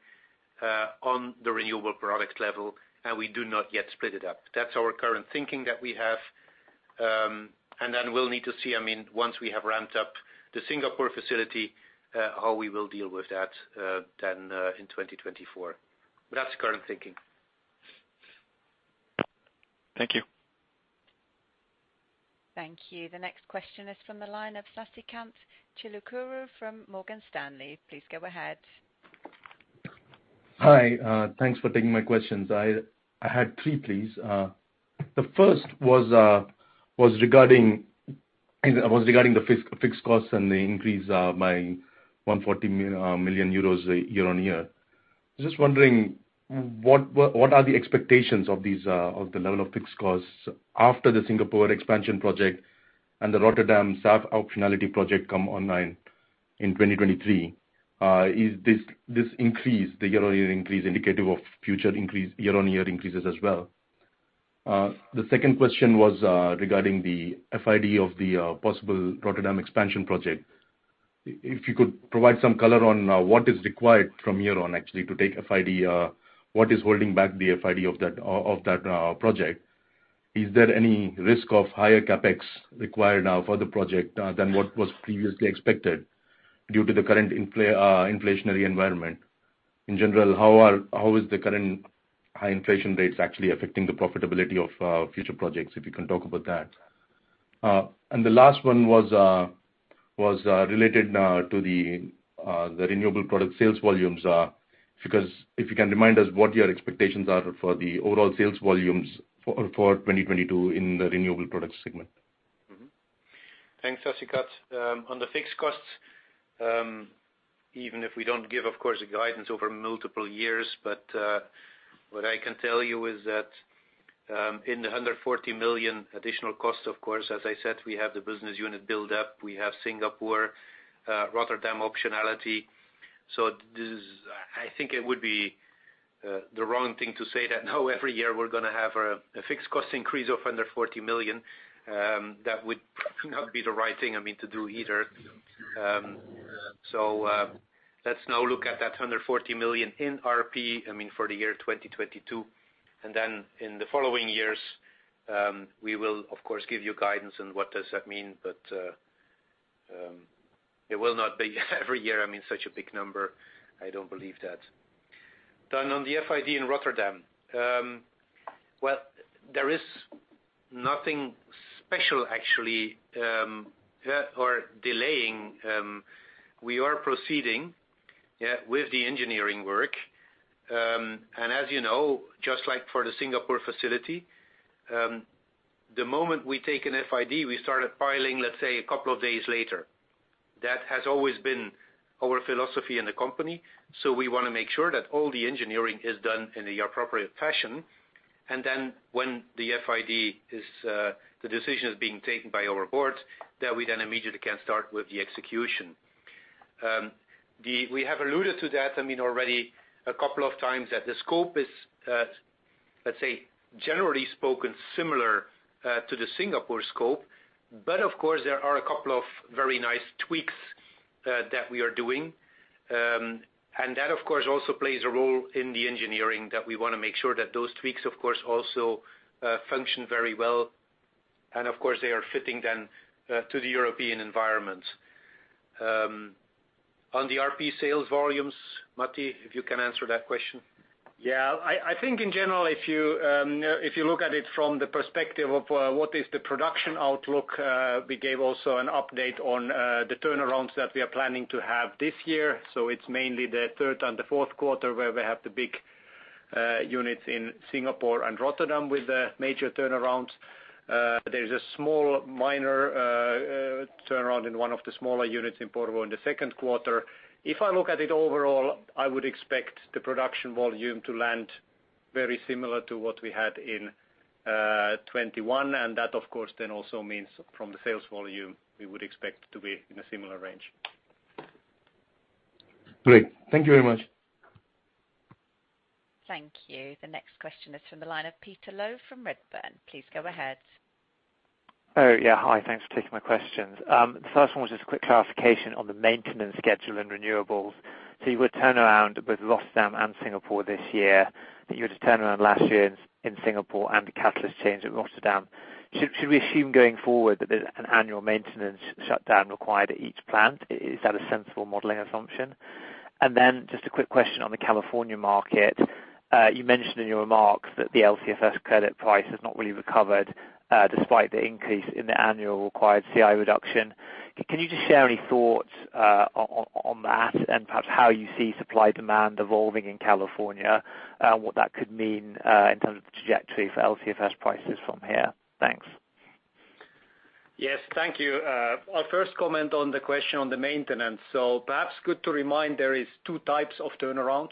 on the renewable product level, and we do not yet split it up. That's our current thinking that we have, and then we'll need to see, I mean, once we have ramped up the Singapore facility, how we will deal with that, then, in 2024. That's the current thinking. Thank you. Thank you. The next question is from the line of Sasikanth Chilukuru from Morgan Stanley. Please go ahead. Hi, thanks for taking my questions. I had three, please. The first was regarding the fixed costs and the increase by 140 million euros year-on-year. Just wondering what are the expectations of the level of fixed costs after the Singapore expansion project and the Rotterdam SAF optionality project come online in 2023? Is this increase, the year-on-year increase, indicative of future year-on-year increases as well? The second question was regarding the FID of the possible Rotterdam expansion project. If you could provide some color on what is required from here on actually to take FID, what is holding back the FID of that project? Is there any risk of higher CapEx required now for the project than what was previously expected due to the current inflationary environment? In general, how is the current high inflation rates actually affecting the profitability of future projects, if you can talk about that? The last one was related to the renewable product sales volumes, because if you can remind us what your expectations are for the overall sales volumes for 2022 in the renewable products segment. Thanks, Sasikanth. On the fixed costs, even if we don't give, of course, a guidance over multiple years, but what I can tell you is that in the 140 million additional cost, of course, as I said, we have the business unit build up. We have Singapore, Rotterdam optionality. So this is. I think it would be the wrong thing to say that now every year we're gonna have a fixed cost increase of 140 million, that would probably not be the right thing, I mean, to do either. So let's now look at that 140 million in RP, I mean, for the year 2022, and then in the following years, we will of course give you guidance on what does that mean. It will not be every year, I mean, such a big number, I don't believe that. On the FID in Rotterdam. Well, there is nothing special actually, yeah, or delaying, we are proceeding, yeah, with the engineering work. As you know, just like for the Singapore facility, the moment we take an FID, we started filing, let's say, a couple of days later. That has always been our philosophy in the company, so we wanna make sure that all the engineering is done in the appropriate fashion. When the FID is, the decision is being taken by our board, that we then immediately can start with the execution. We have alluded to that, I mean, already a couple of times that the scope is, let's say, generally speaking similar to the Singapore scope, but of course, there are a couple of very nice tweaks that we are doing. That of course also plays a role in the engineering that we wanna make sure that those tweaks of course also function very well and of course they are fitting then to the European environment. On the RP sales volumes, Matti, if you can answer that question. Yeah. I think in general, if you look at it from the perspective of what is the production outlook, we gave also an update on the turnarounds that we are planning to have this year. It's mainly the third and the fourth quarter where we have the big units in Singapore and Rotterdam with the major turnarounds. There is a small minor turnaround in one of the smaller units in Porvoo in the second quarter. If I look at it overall, I would expect the production volume to land very similar to what we had in 2021. That of course then also means from the sales volume, we would expect to be in a similar range. Great. Thank you very much. Thank you. The next question is from the line of Peter Low from Redburn. Please go ahead. Oh, yeah. Hi. Thanks for taking my questions. The first one was just a quick clarification on the maintenance schedule and renewables. So you would turn around with Rotterdam and Singapore this year, that you had to turn around last year in Singapore and the catalyst change at Rotterdam. Should we assume going forward that there's an annual maintenance shutdown required at each plant? Is that a sensible modeling assumption? And then just a quick question on the California market. You mentioned in your remarks that the LCFS credit price has not really recovered, despite the increase in the annual required CI reduction. Can you just share any thoughts on that and perhaps how you see supply demand evolving in California, what that could mean in terms of the trajectory for LCFS prices from here? Thanks. Yes, thank you. I'll first comment on the question on the maintenance. Perhaps good to remind there is two types of turnarounds.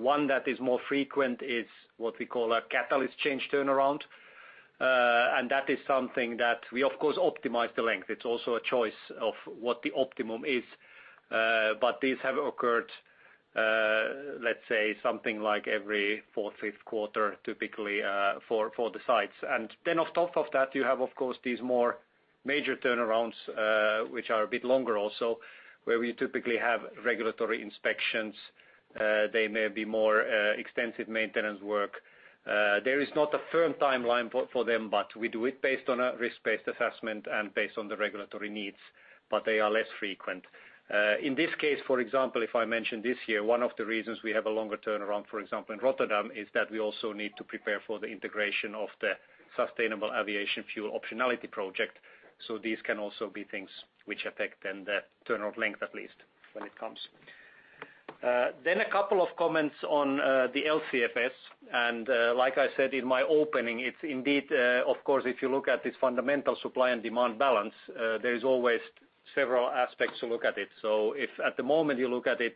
One that is more frequent is what we call a catalyst change turnaround. And that is something that we of course optimize the length. It's also a choice of what the optimum is. But these have occurred, let's say something like every fourth, fifth quarter, typically, for the sites. Then on top of that, you have, of course, these more major turnarounds, which are a bit longer also, where we typically have regulatory inspections. They may be more extensive maintenance work. There is not a firm timeline for them, but we do it based on a risk-based assessment and based on the regulatory needs, but they are less frequent. In this case, for example, if I mention this year, one of the reasons we have a longer turnaround, for example, in Rotterdam, is that we also need to prepare for the integration of the sustainable aviation fuel optionality project. These can also be things which affect then the turnaround length, at least when it comes. A couple of comments on the LCFS. Like I said in my opening, it's indeed, of course, if you look at this fundamental supply and demand balance, there is always several aspects to look at it. If at the moment you look at it,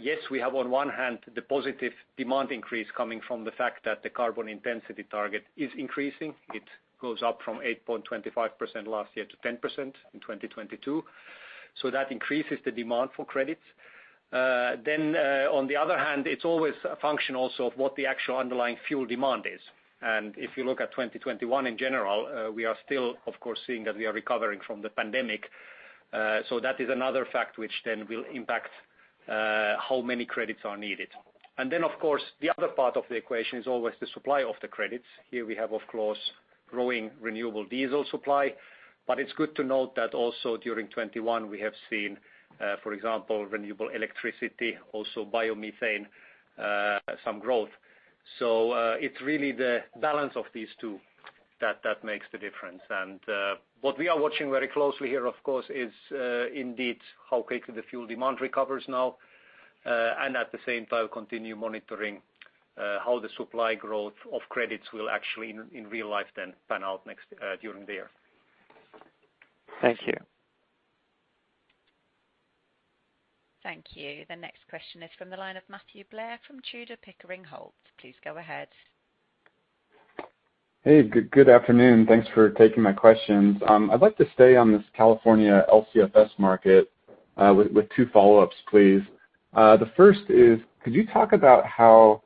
yes, we have on one hand the positive demand increase coming from the fact that the carbon intensity target is increasing. It goes up from 8.25% last year to 10% in 2022. That increases the demand for credits. On the other hand, it's always a function also of what the actual underlying fuel demand is. If you look at 2021 in general, we are still of course seeing that we are recovering from the pandemic. That is another fact which then will impact how many credits are needed. Then of course, the other part of the equation is always the supply of the credits. Here we have of course growing renewable diesel supply. It's good to note that also during 2021 we have seen, for example, renewable electricity, also biomethane, some growth. It's really the balance of these two that makes the difference. What we are watching very closely here of course is indeed how quickly the fuel demand recovers now, and at the same time continue monitoring how the supply growth of credits will actually in real life then pan out next during the year. Thank you. Thank you. The next question is from the line of Matthew Blair from Tudor, Pickering, Holt. Please go ahead. Hey, good afternoon. Thanks for taking my questions. I'd like to stay on this California LCFS market with two follow-ups, please. The first is, could you talk about how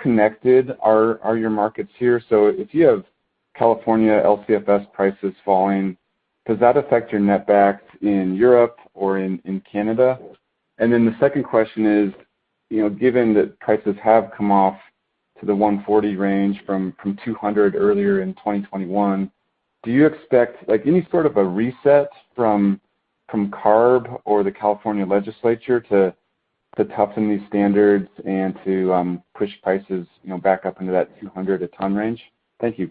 connected are your markets here? So if you have California LCFS prices falling, does that affect your net backs in Europe or in Canada? The second question is, you know, given that prices have come off to the $140 range from $200 earlier in 2021, do you expect like any sort of a reset from CARB or the California legislature to toughen these standards and to push prices, you know, back up into that $200 a ton range? Thank you.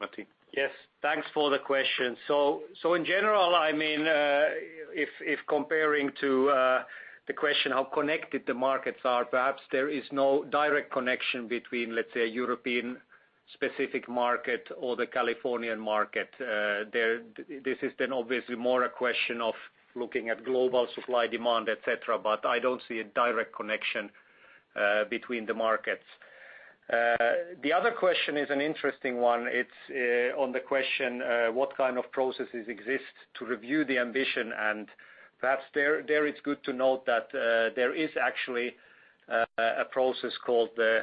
Matti. Yes, thanks for the question. In general I mean, if comparing to the question how connected the markets are, perhaps there is no direct connection between, let's say, European specific market or the Californian market. This is then obviously more a question of looking at global supply, demand, et cetera, but I don't see a direct connection between the markets. The other question is an interesting one. It's on the question what kind of processes exist to review the ambition. Perhaps there it's good to note that there is actually a process called the,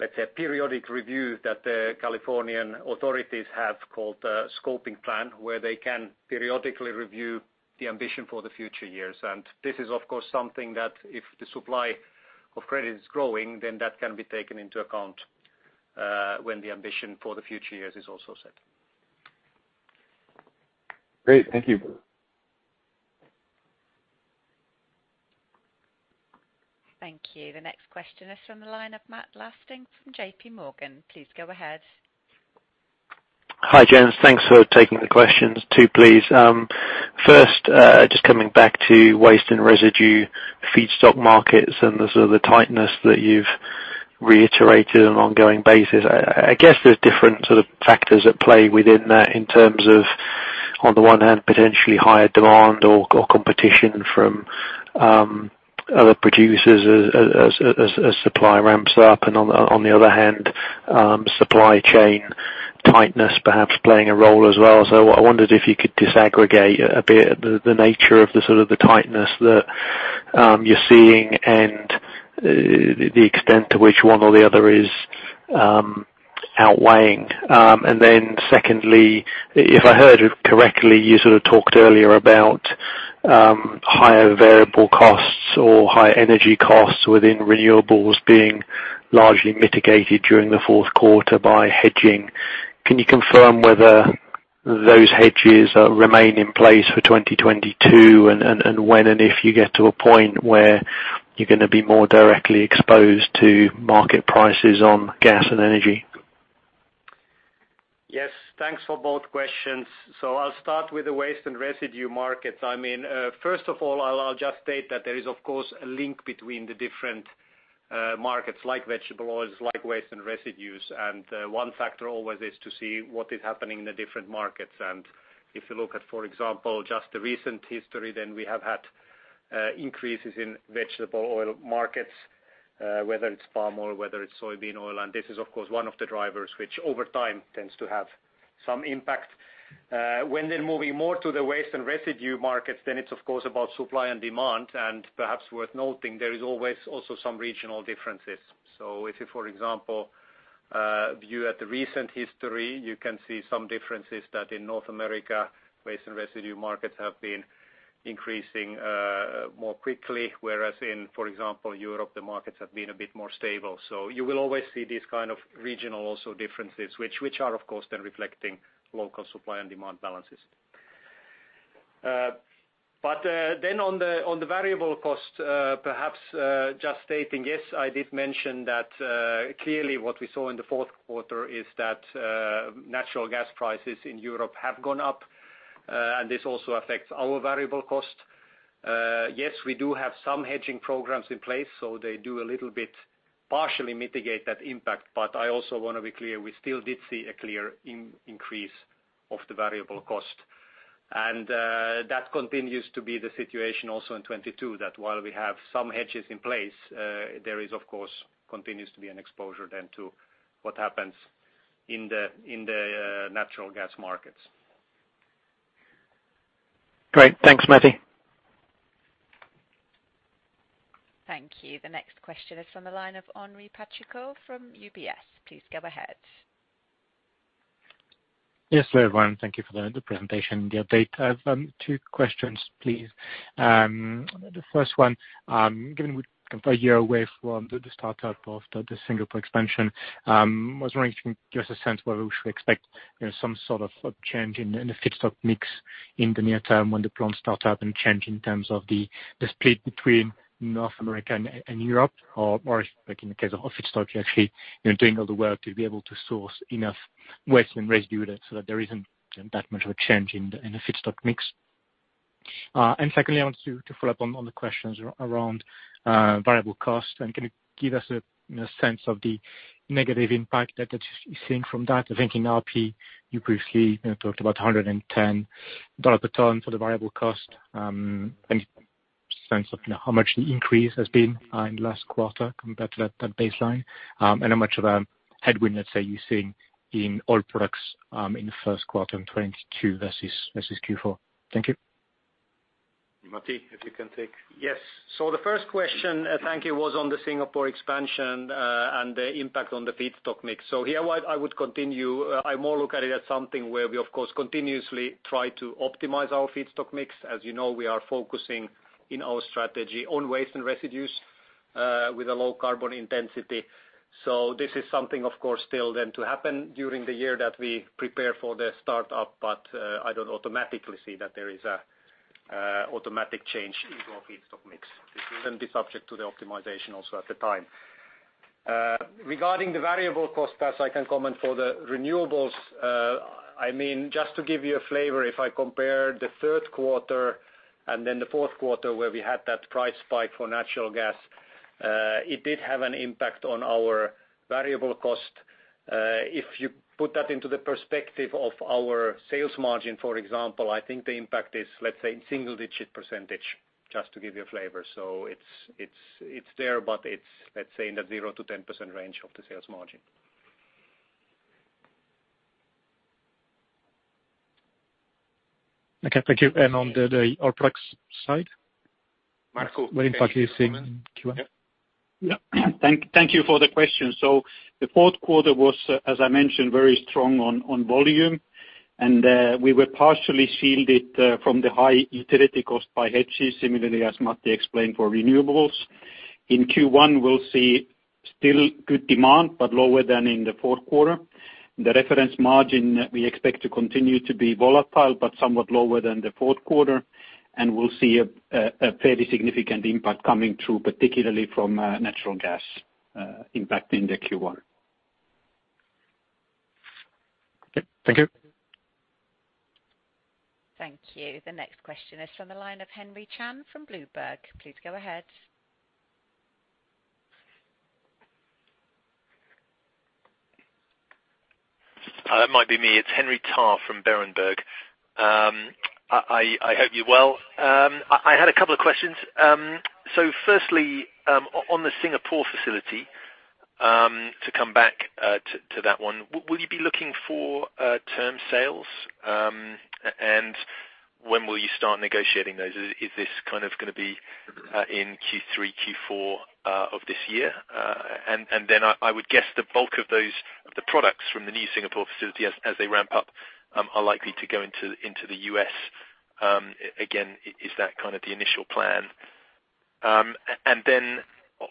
let's say, periodic review that the Californian authorities have called the Scoping Plan, where they can periodically review the ambition for the future years. This is, of course, something that if the supply of credit is growing, then that can be taken into account, when the ambition for the future years is also set. Great. Thank you. Thank you. The next question is from the line of Matt Lofting from JP Morgan. Please go ahead. Hi, Gents. Thanks for taking the questions, two please. First, just coming back to waste and residue feedstock markets and the sort of the tightness that you've reiterated on an ongoing basis. I guess there's different sort of factors at play within that in terms of, on the one hand, potentially higher demand or competition from other producers as supply ramps up. On the other hand, supply chain tightness perhaps playing a role as well. I wondered if you could disaggregate a bit the nature of the sort of the tightness that you're seeing and the extent to which one or the other is outweighing. Secondly, if I heard correctly, you sort of talked earlier about higher variable costs or higher energy costs within renewables being largely mitigated during the fourth quarter by hedging. Can you confirm whether those hedges remain in place for 2022 and when and if you get to a point where you're gonna be more directly exposed to market prices on gas and energy? Yes, thanks for both questions. I'll start with the waste and residue markets. I mean, first of all, I'll just state that there is of course a link between the different markets like vegetable oils, like waste and residues. One factor always is to see what is happening in the different markets. If you look at, for example, just the recent history, then we have had increases in vegetable oil markets, whether it's palm oil, whether it's soybean oil, and this is of course one of the drivers which over time tends to have some impact. When then moving more to the waste and residue markets, then it's of course about supply and demand, and perhaps worth noting there is always also some regional differences. If you, for example, view at the recent history, you can see some differences that in North America, waste and residue markets have been increasing more quickly, whereas in, for example, Europe, the markets have been a bit more stable. You will always see these kind of regional also differences, which are of course then reflecting local supply and demand balances. On the variable cost, perhaps just stating, yes, I did mention that, clearly what we saw in the fourth quarter is that natural gas prices in Europe have gone up, and this also affects our variable cost. Yes, we do have some hedging programs in place, so they do a little bit partially mitigate that impact. I also wanna be clear, we still did see a clear increase of the variable cost. That continues to be the situation also in 2022, that while we have some hedges in place, there continues, of course, to be an exposure to what happens in the natural gas markets. Great. Thanks, Matti. Thank you. The next question is from the line of Henri Patricot from UBS. Please go ahead. Yes, everyone. Thank you for the presentation and the update. I have two questions, please. The first one, given we're a year away from the startup of the Singapore expansion, I was wondering if you can give us a sense whether we should expect, you know, some sort of a change in the feedstock mix in the near term when the plant starts up and change in terms of the split between North America and Europe. Or, like in the case of feedstock, you're actually doing all the work to be able to source enough waste and residue there, so that there isn't that much of a change in the feedstock mix. And secondly, I wanted to follow up on the questions around variable cost. Can you give us a, you know, sense of the negative impact that you're seeing from that? I think in RP you briefly, you know, talked about $110 per ton for the variable cost. sense of, you know, how much the increase has been in the last quarter compared to that baseline, and how much of a headwind, let's say, you're seeing in all products in the first quarter in 2022 versus Q4. Thank you. Matti, if you can take. Yes. The first question, thank you, was on the Singapore expansion and the impact on the feedstock mix. Here, what I would continue, I more look at it as something where we of course continuously try to optimize our feedstock mix. As you know, we are focusing in our strategy on waste and residues with a low carbon intensity. This is something of course still then to happen during the year that we prepare for the start up, but I don't automatically see that there is a automatic change in our feedstock mix. This will then be subject to the optimization also at the time. Regarding the variable cost, as I can comment for the renewables, I mean, just to give you a flavor, if I compare the third quarter and then the fourth quarter where we had that price spike for natural gas, it did have an impact on our variable cost. If you put that into the perspective of our sales margin, for example, I think the impact is, let's say, a single-digit %, just to give you a flavor. It's there, but it's, let's say, in the 0%-10% range of the sales margin. Okay. Thank you. On the OpEx side. Markku What impact are you seeing in Q1? Yeah. Thank you for the question. The fourth quarter was, as I mentioned, very strong on volume. We were partially shielded from the high utility cost by hedges, similarly as Matti explained for renewables. In Q1, we'll see still good demand, but lower than in the fourth quarter. The reference margin we expect to continue to be volatile, but somewhat lower than the fourth quarter, and we'll see a fairly significant impact coming through, particularly from natural gas impacting the Q1. Okay, thank you. Thank you. The next question is from the line of Henry Tarr from Berenberg. Please go ahead. It might be me. It's Henry Tarr from Berenberg. I hope you're well. I had a couple of questions. So firstly, on the Singapore facility, to come back to that one, will you be looking for term sales? And when will you start negotiating those? Is this kind of gonna be in Q3, Q4 of this year? And then I would guess the bulk of those products from the new Singapore facility as they ramp up are likely to go into the U.S. Again, is that kind of the initial plan? And then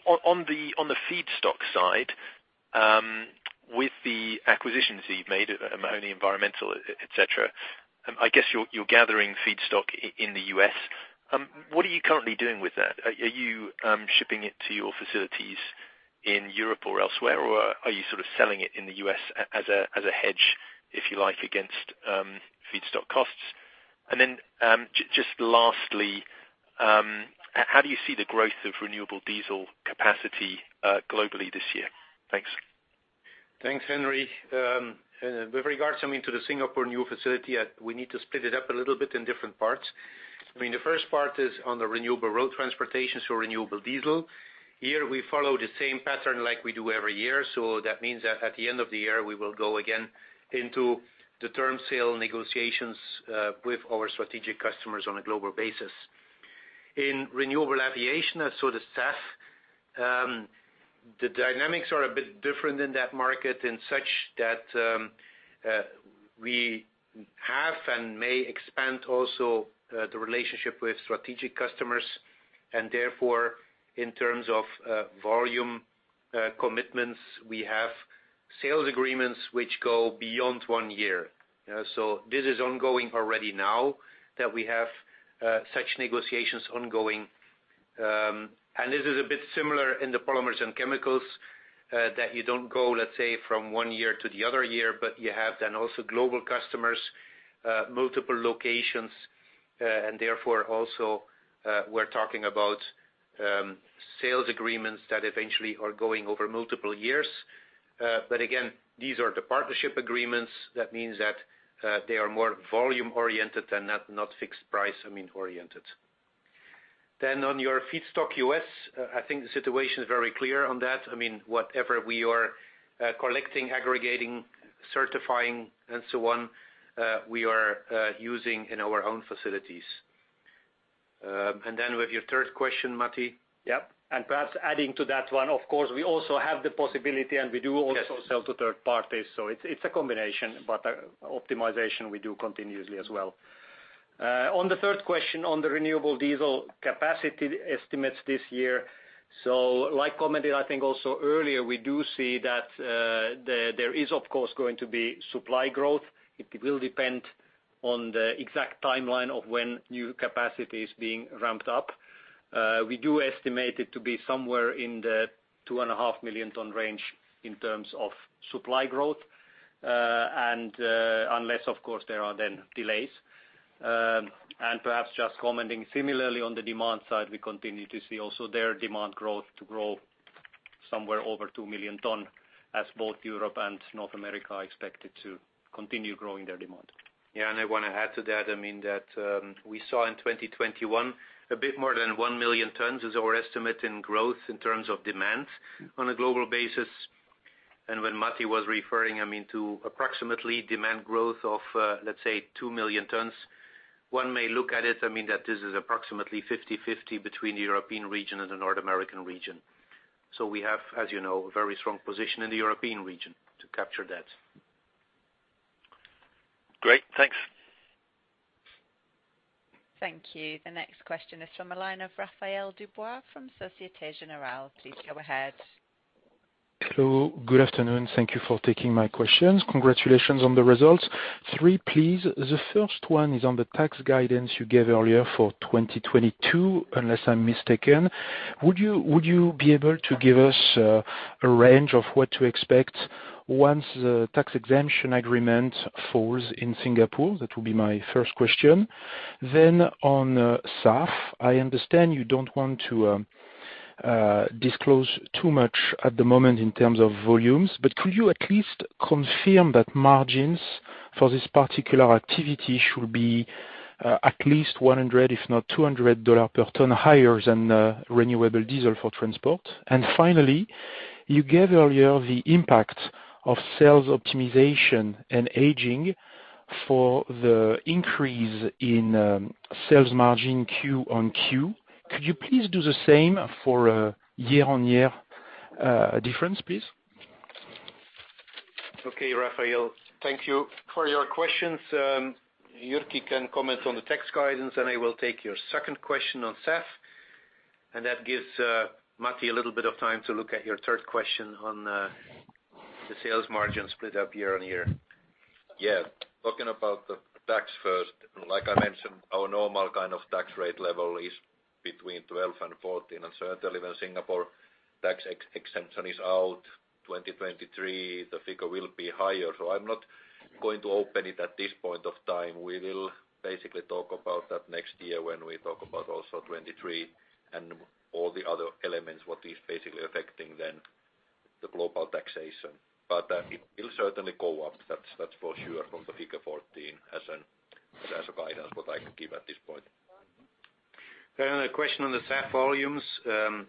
on the feedstock side, with the acquisitions that you've made, Mahoney Environmental, et cetera, I guess you're gathering feedstock in the U.S. What are you currently doing with that? Are you shipping it to your facilities in Europe or elsewhere, or are you sort of selling it in the U.S. as a hedge, if you like, against feedstock costs? Just lastly, how do you see the growth of renewable diesel capacity globally this year? Thanks. Thanks, Henry. With regards, I mean, to the Singapore new facility, we need to split it up a little bit in different parts. I mean, the first part is on the renewable road transportation, so renewable diesel. Here we follow the same pattern like we do every year, so that means that at the end of the year, we will go again into the term sale negotiations with our strategic customers on a global basis. In renewable aviation, so the SAF, the dynamics are a bit different in that market in such that, we have and may expand also, the relationship with strategic customers, and therefore, in terms of volume commitments, we have sales agreements which go beyond one year. This is ongoing already now that we have such negotiations ongoing. This is a bit similar in the polymers and chemicals that you don't go, let's say, from one year to the other year, but you have then also global customers, multiple locations, and therefore also, we're talking about sales agreements that eventually are going over multiple years. Again, these are the partnership agreements. That means that they are more volume-oriented and not fixed price, I mean, oriented. On your feedstock U.S., I think the situation is very clear on that. I mean, whatever we are collecting, aggregating, certifying, and so on, we are using in our own facilities. With your third question, Matti? Perhaps adding to that one, of course, we also have the possibility, and we do also sell to third parties. It's a combination, but optimization we do continuously as well. On the third question on the renewable diesel capacity estimates this year, so, as commented, I think, also earlier, we do see that there is of course going to be supply growth. It will depend on the exact timeline of when new capacity is being ramped up. We do estimate it to be somewhere in the 2.5 million ton range in terms of supply growth, and unless of course there are then delays. Perhaps just commenting similarly on the demand side, we continue to see also their demand growth to grow somewhere over 2 million tons, as both Europe and North America are expected to continue growing their demand. Yeah, I wanna add to that, I mean, that, we saw in 2021 a bit more than 1 million tons is our estimate in growth in terms of demand on a global basis. When Matti was referring, I mean, to approximately demand growth of, let's say 2 million tons, one may look at it, I mean, that this is approximately 50-50 between the European region and the North American region. We have, as you know, a very strong position in the European region to capture that. Great. Thanks. Thank you. The next question is from the line of Raphaël Dubois from Societe Generale. Please go ahead. Hello. Good afternoon. Thank you for taking my questions. Congratulations on the results. Three, please. The first one is on the tax guidance you gave earlier for 2022, unless I'm mistaken. Would you be able to give us a range of what to expect once the tax exemption agreement falls in Singapore? That will be my first question. On SAF, I understand you don't want to disclose too much at the moment in terms of volumes, but could you at least confirm that margins for this particular activity should be at least $100, if not $200 per ton higher than renewable diesel for transport? Finally, you gave earlier the impact of sales optimization and aging for the increase in sales margin Q on Q. Could you please do the same for a year-over-year difference, please? Okay, Raphaël, thank you for your questions. Jyrki can comment on the tax guidance, and I will take your second question on SAF. That gives Matti a little bit of time to look at your third question on the sales margin split up year on year. Yeah. Talking about the tax first, like I mentioned, our normal kind of tax rate level is between 12%-14%. Certainly when Singapore tax exemption is out 2023, the figure will be higher. I'm not going to open it at this point of time. We will basically talk about that next year when we talk about also 2023 and all the other elements, what is basically affecting then the global taxation. It will certainly go up, that's for sure, from the figure 14% as a guidance what I can give at this point. On the question on the SAF volumes,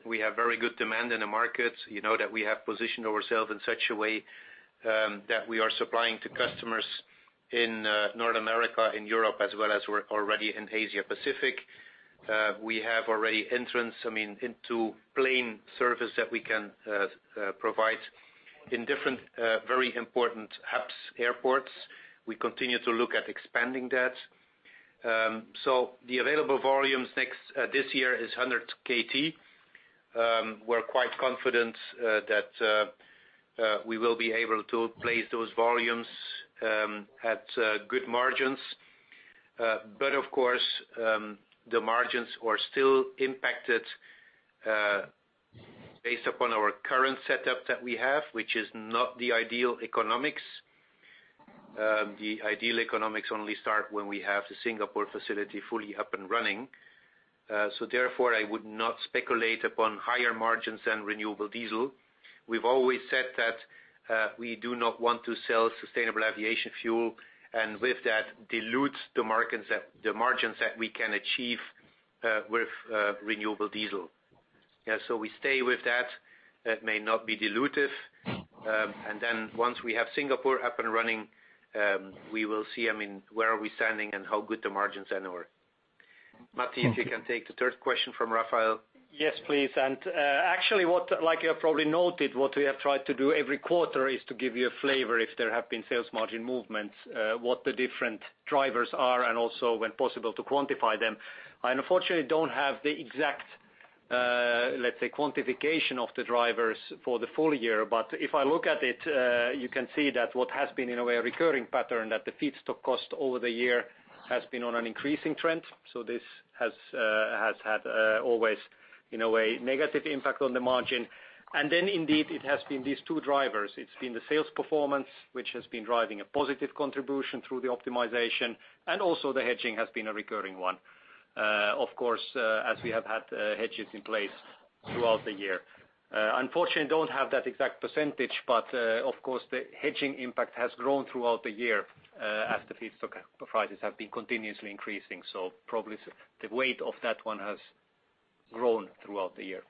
we have very good demand in the markets. You know that we have positioned ourselves in such a way that we are supplying to customers in North America, in Europe, as well as we're already in Asia Pacific. We have already entered, I mean, into plane service that we can provide in different very important hubs, airports. We continue to look at expanding that. The available volumes next this year is 100 KT. We're quite confident that we will be able to place those volumes at good margins. Of course, the margins are still impacted based upon our current setup that we have, which is not the ideal economics. The ideal economics only start when we have the Singapore facility fully up and running. Therefore, I would not speculate upon higher margins than renewable diesel. We've always said that, we do not want to sell sustainable aviation fuel, and with that dilutes the margins that we can achieve with renewable diesel. We stay with that. That may not be dilutive. Once we have Singapore up and running, we will see, I mean, where are we standing and how good the margins then are. Matti, if you can take the third question from Raphael. Yes, please. Actually, like you have probably noted, what we have tried to do every quarter is to give you a flavor if there have been sales margin movements, what the different drivers are, and also when possible to quantify them. I unfortunately don't have the exact, let's say, quantification of the drivers for the full year. If I look at it, you can see that what has been in a way a recurring pattern, that the feedstock cost over the year has been on an increasing trend. This has had always, in a way, negative impact on the margin. Then indeed, it has been these two drivers. It's been the sales performance, which has been driving a positive contribution through the optimization, and also the hedging has been a recurring one, of course, as we have had hedges in place throughout the year. Unfortunately, I don't have that exact percentage, but, of course, the hedging impact has grown throughout the year, as the feedstock prices have been continuously increasing. Probably the weight of that one has grown throughout the year.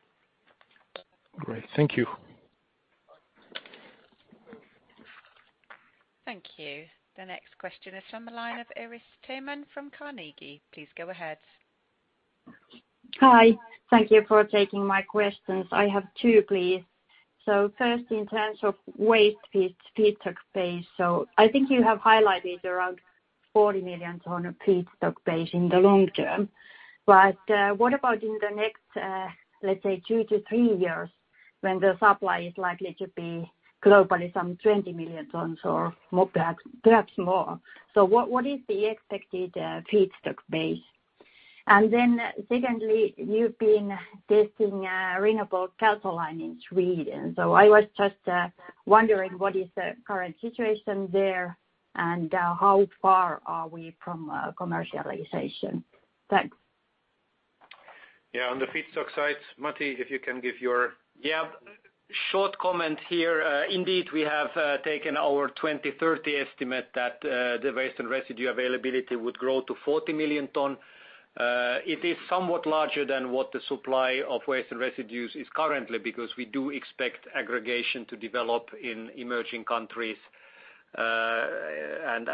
Great. Thank you. Thank you. The next question is from the line of Iiris Theman from Carnegie. Please go ahead. Hi. Thank you for taking my questions. I have two, please. First, in terms of waste feedstock base, I think you have highlighted around 40 million tons of feedstock base in the long term. What about in the next, let's say two-three years when the supply is likely to be globally some 20 million tons or more, perhaps more? What is the expected feedstock base? Secondly, you've been testing renewable kerosene line in Sweden. I was just wondering what is the current situation there, and how far are we from commercialization? Thanks. Yeah, on the feedstock side, Matti, if you can give your Yeah, short comment here. Indeed, we have taken our 2030 estimate that the waste and residue availability would grow to 40 million tons. It is somewhat larger than what the supply of waste and residues is currently, because we do expect aggregation to develop in emerging countries. In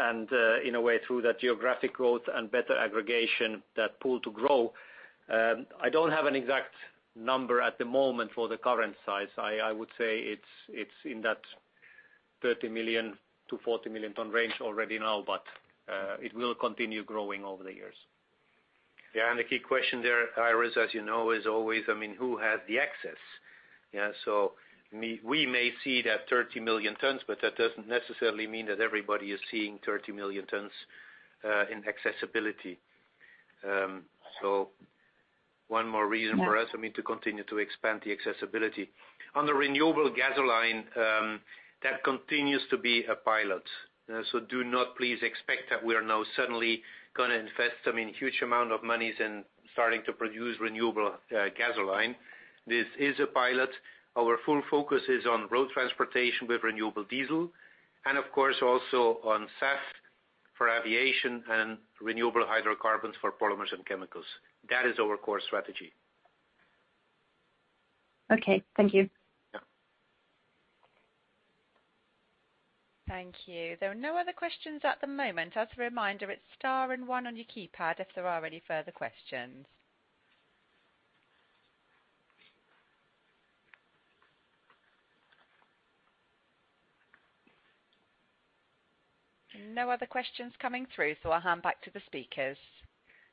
a way, through the geographic growth and better aggregation, that pool to grow. I don't have an exact number at the moment for the current size. I would say it's in that 30 million-40 million ton range already now, but it will continue growing over the years. The key question there, Iris, as you know, is always, I mean, who has the access? We may see that 30 million tons, but that doesn't necessarily mean that everybody is seeing 30 million tons in accessibility. One more reason for us- Yeah. I mean, to continue to expand the accessibility. On the renewable gasoline, that continues to be a pilot. Do not please expect that we are now suddenly gonna invest, I mean, huge amount of monies and starting to produce renewable gasoline. This is a pilot. Our full focus is on road transportation with renewable diesel and of course also on SAF for aviation and renewable hydrocarbons for polymers and chemicals. That is our core strategy. Okay, thank you. Yeah. Thank you. There are no other questions at the moment. As a reminder, it's star and one on your keypad if there are any further questions. No other questions coming through, so I'll hand back to the speakers.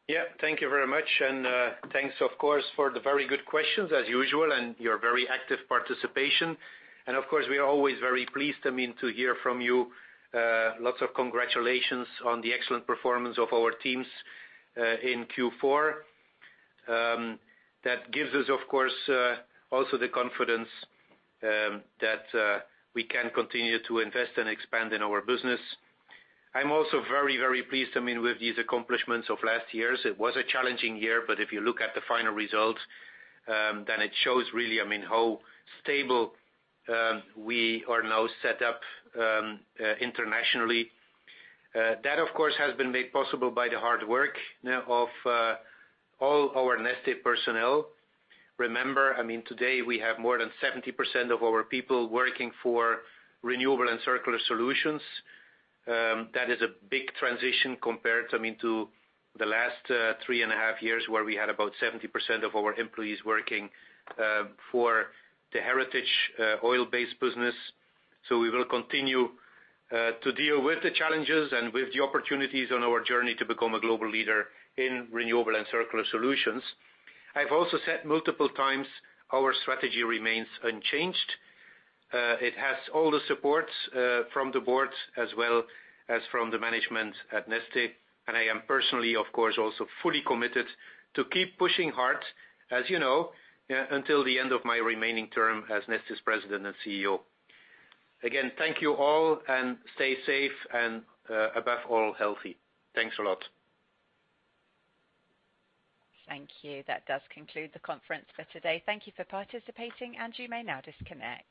Yeah, thank you very much. Thanks of course for the very good questions as usual and your very active participation. Of course we are always very pleased, I mean, to hear from you, lots of congratulations on the excellent performance of our teams in Q4. That gives us of course also the confidence that we can continue to invest and expand in our business. I'm also very, very pleased, I mean, with these accomplishments of last year. It was a challenging year, but if you look at the final results, then it shows really, I mean, how stable we are now set up internationally. That of course has been made possible by the hard work of all our Neste personnel. Remember, I mean, today we have more than 70% of our people working for renewable and circular solutions. That is a big transition compared, I mean, to the last three and a half years, where we had about 70% of our employees working for the heritage oil-based business. We will continue to deal with the challenges and with the opportunities on our journey to become a global leader in renewable and circular solutions. I've also said multiple times our strategy remains unchanged. It has all the supports from the board as well as from the management at Neste. I am personally, of course, also fully committed to keep pushing hard, as you know, until the end of my remaining term as Neste's President and CEO. Again, thank you all and stay safe and, above all, healthy. Thanks a lot. Thank you. That does conclude the conference for today. Thank you for participating and you may now disconnect.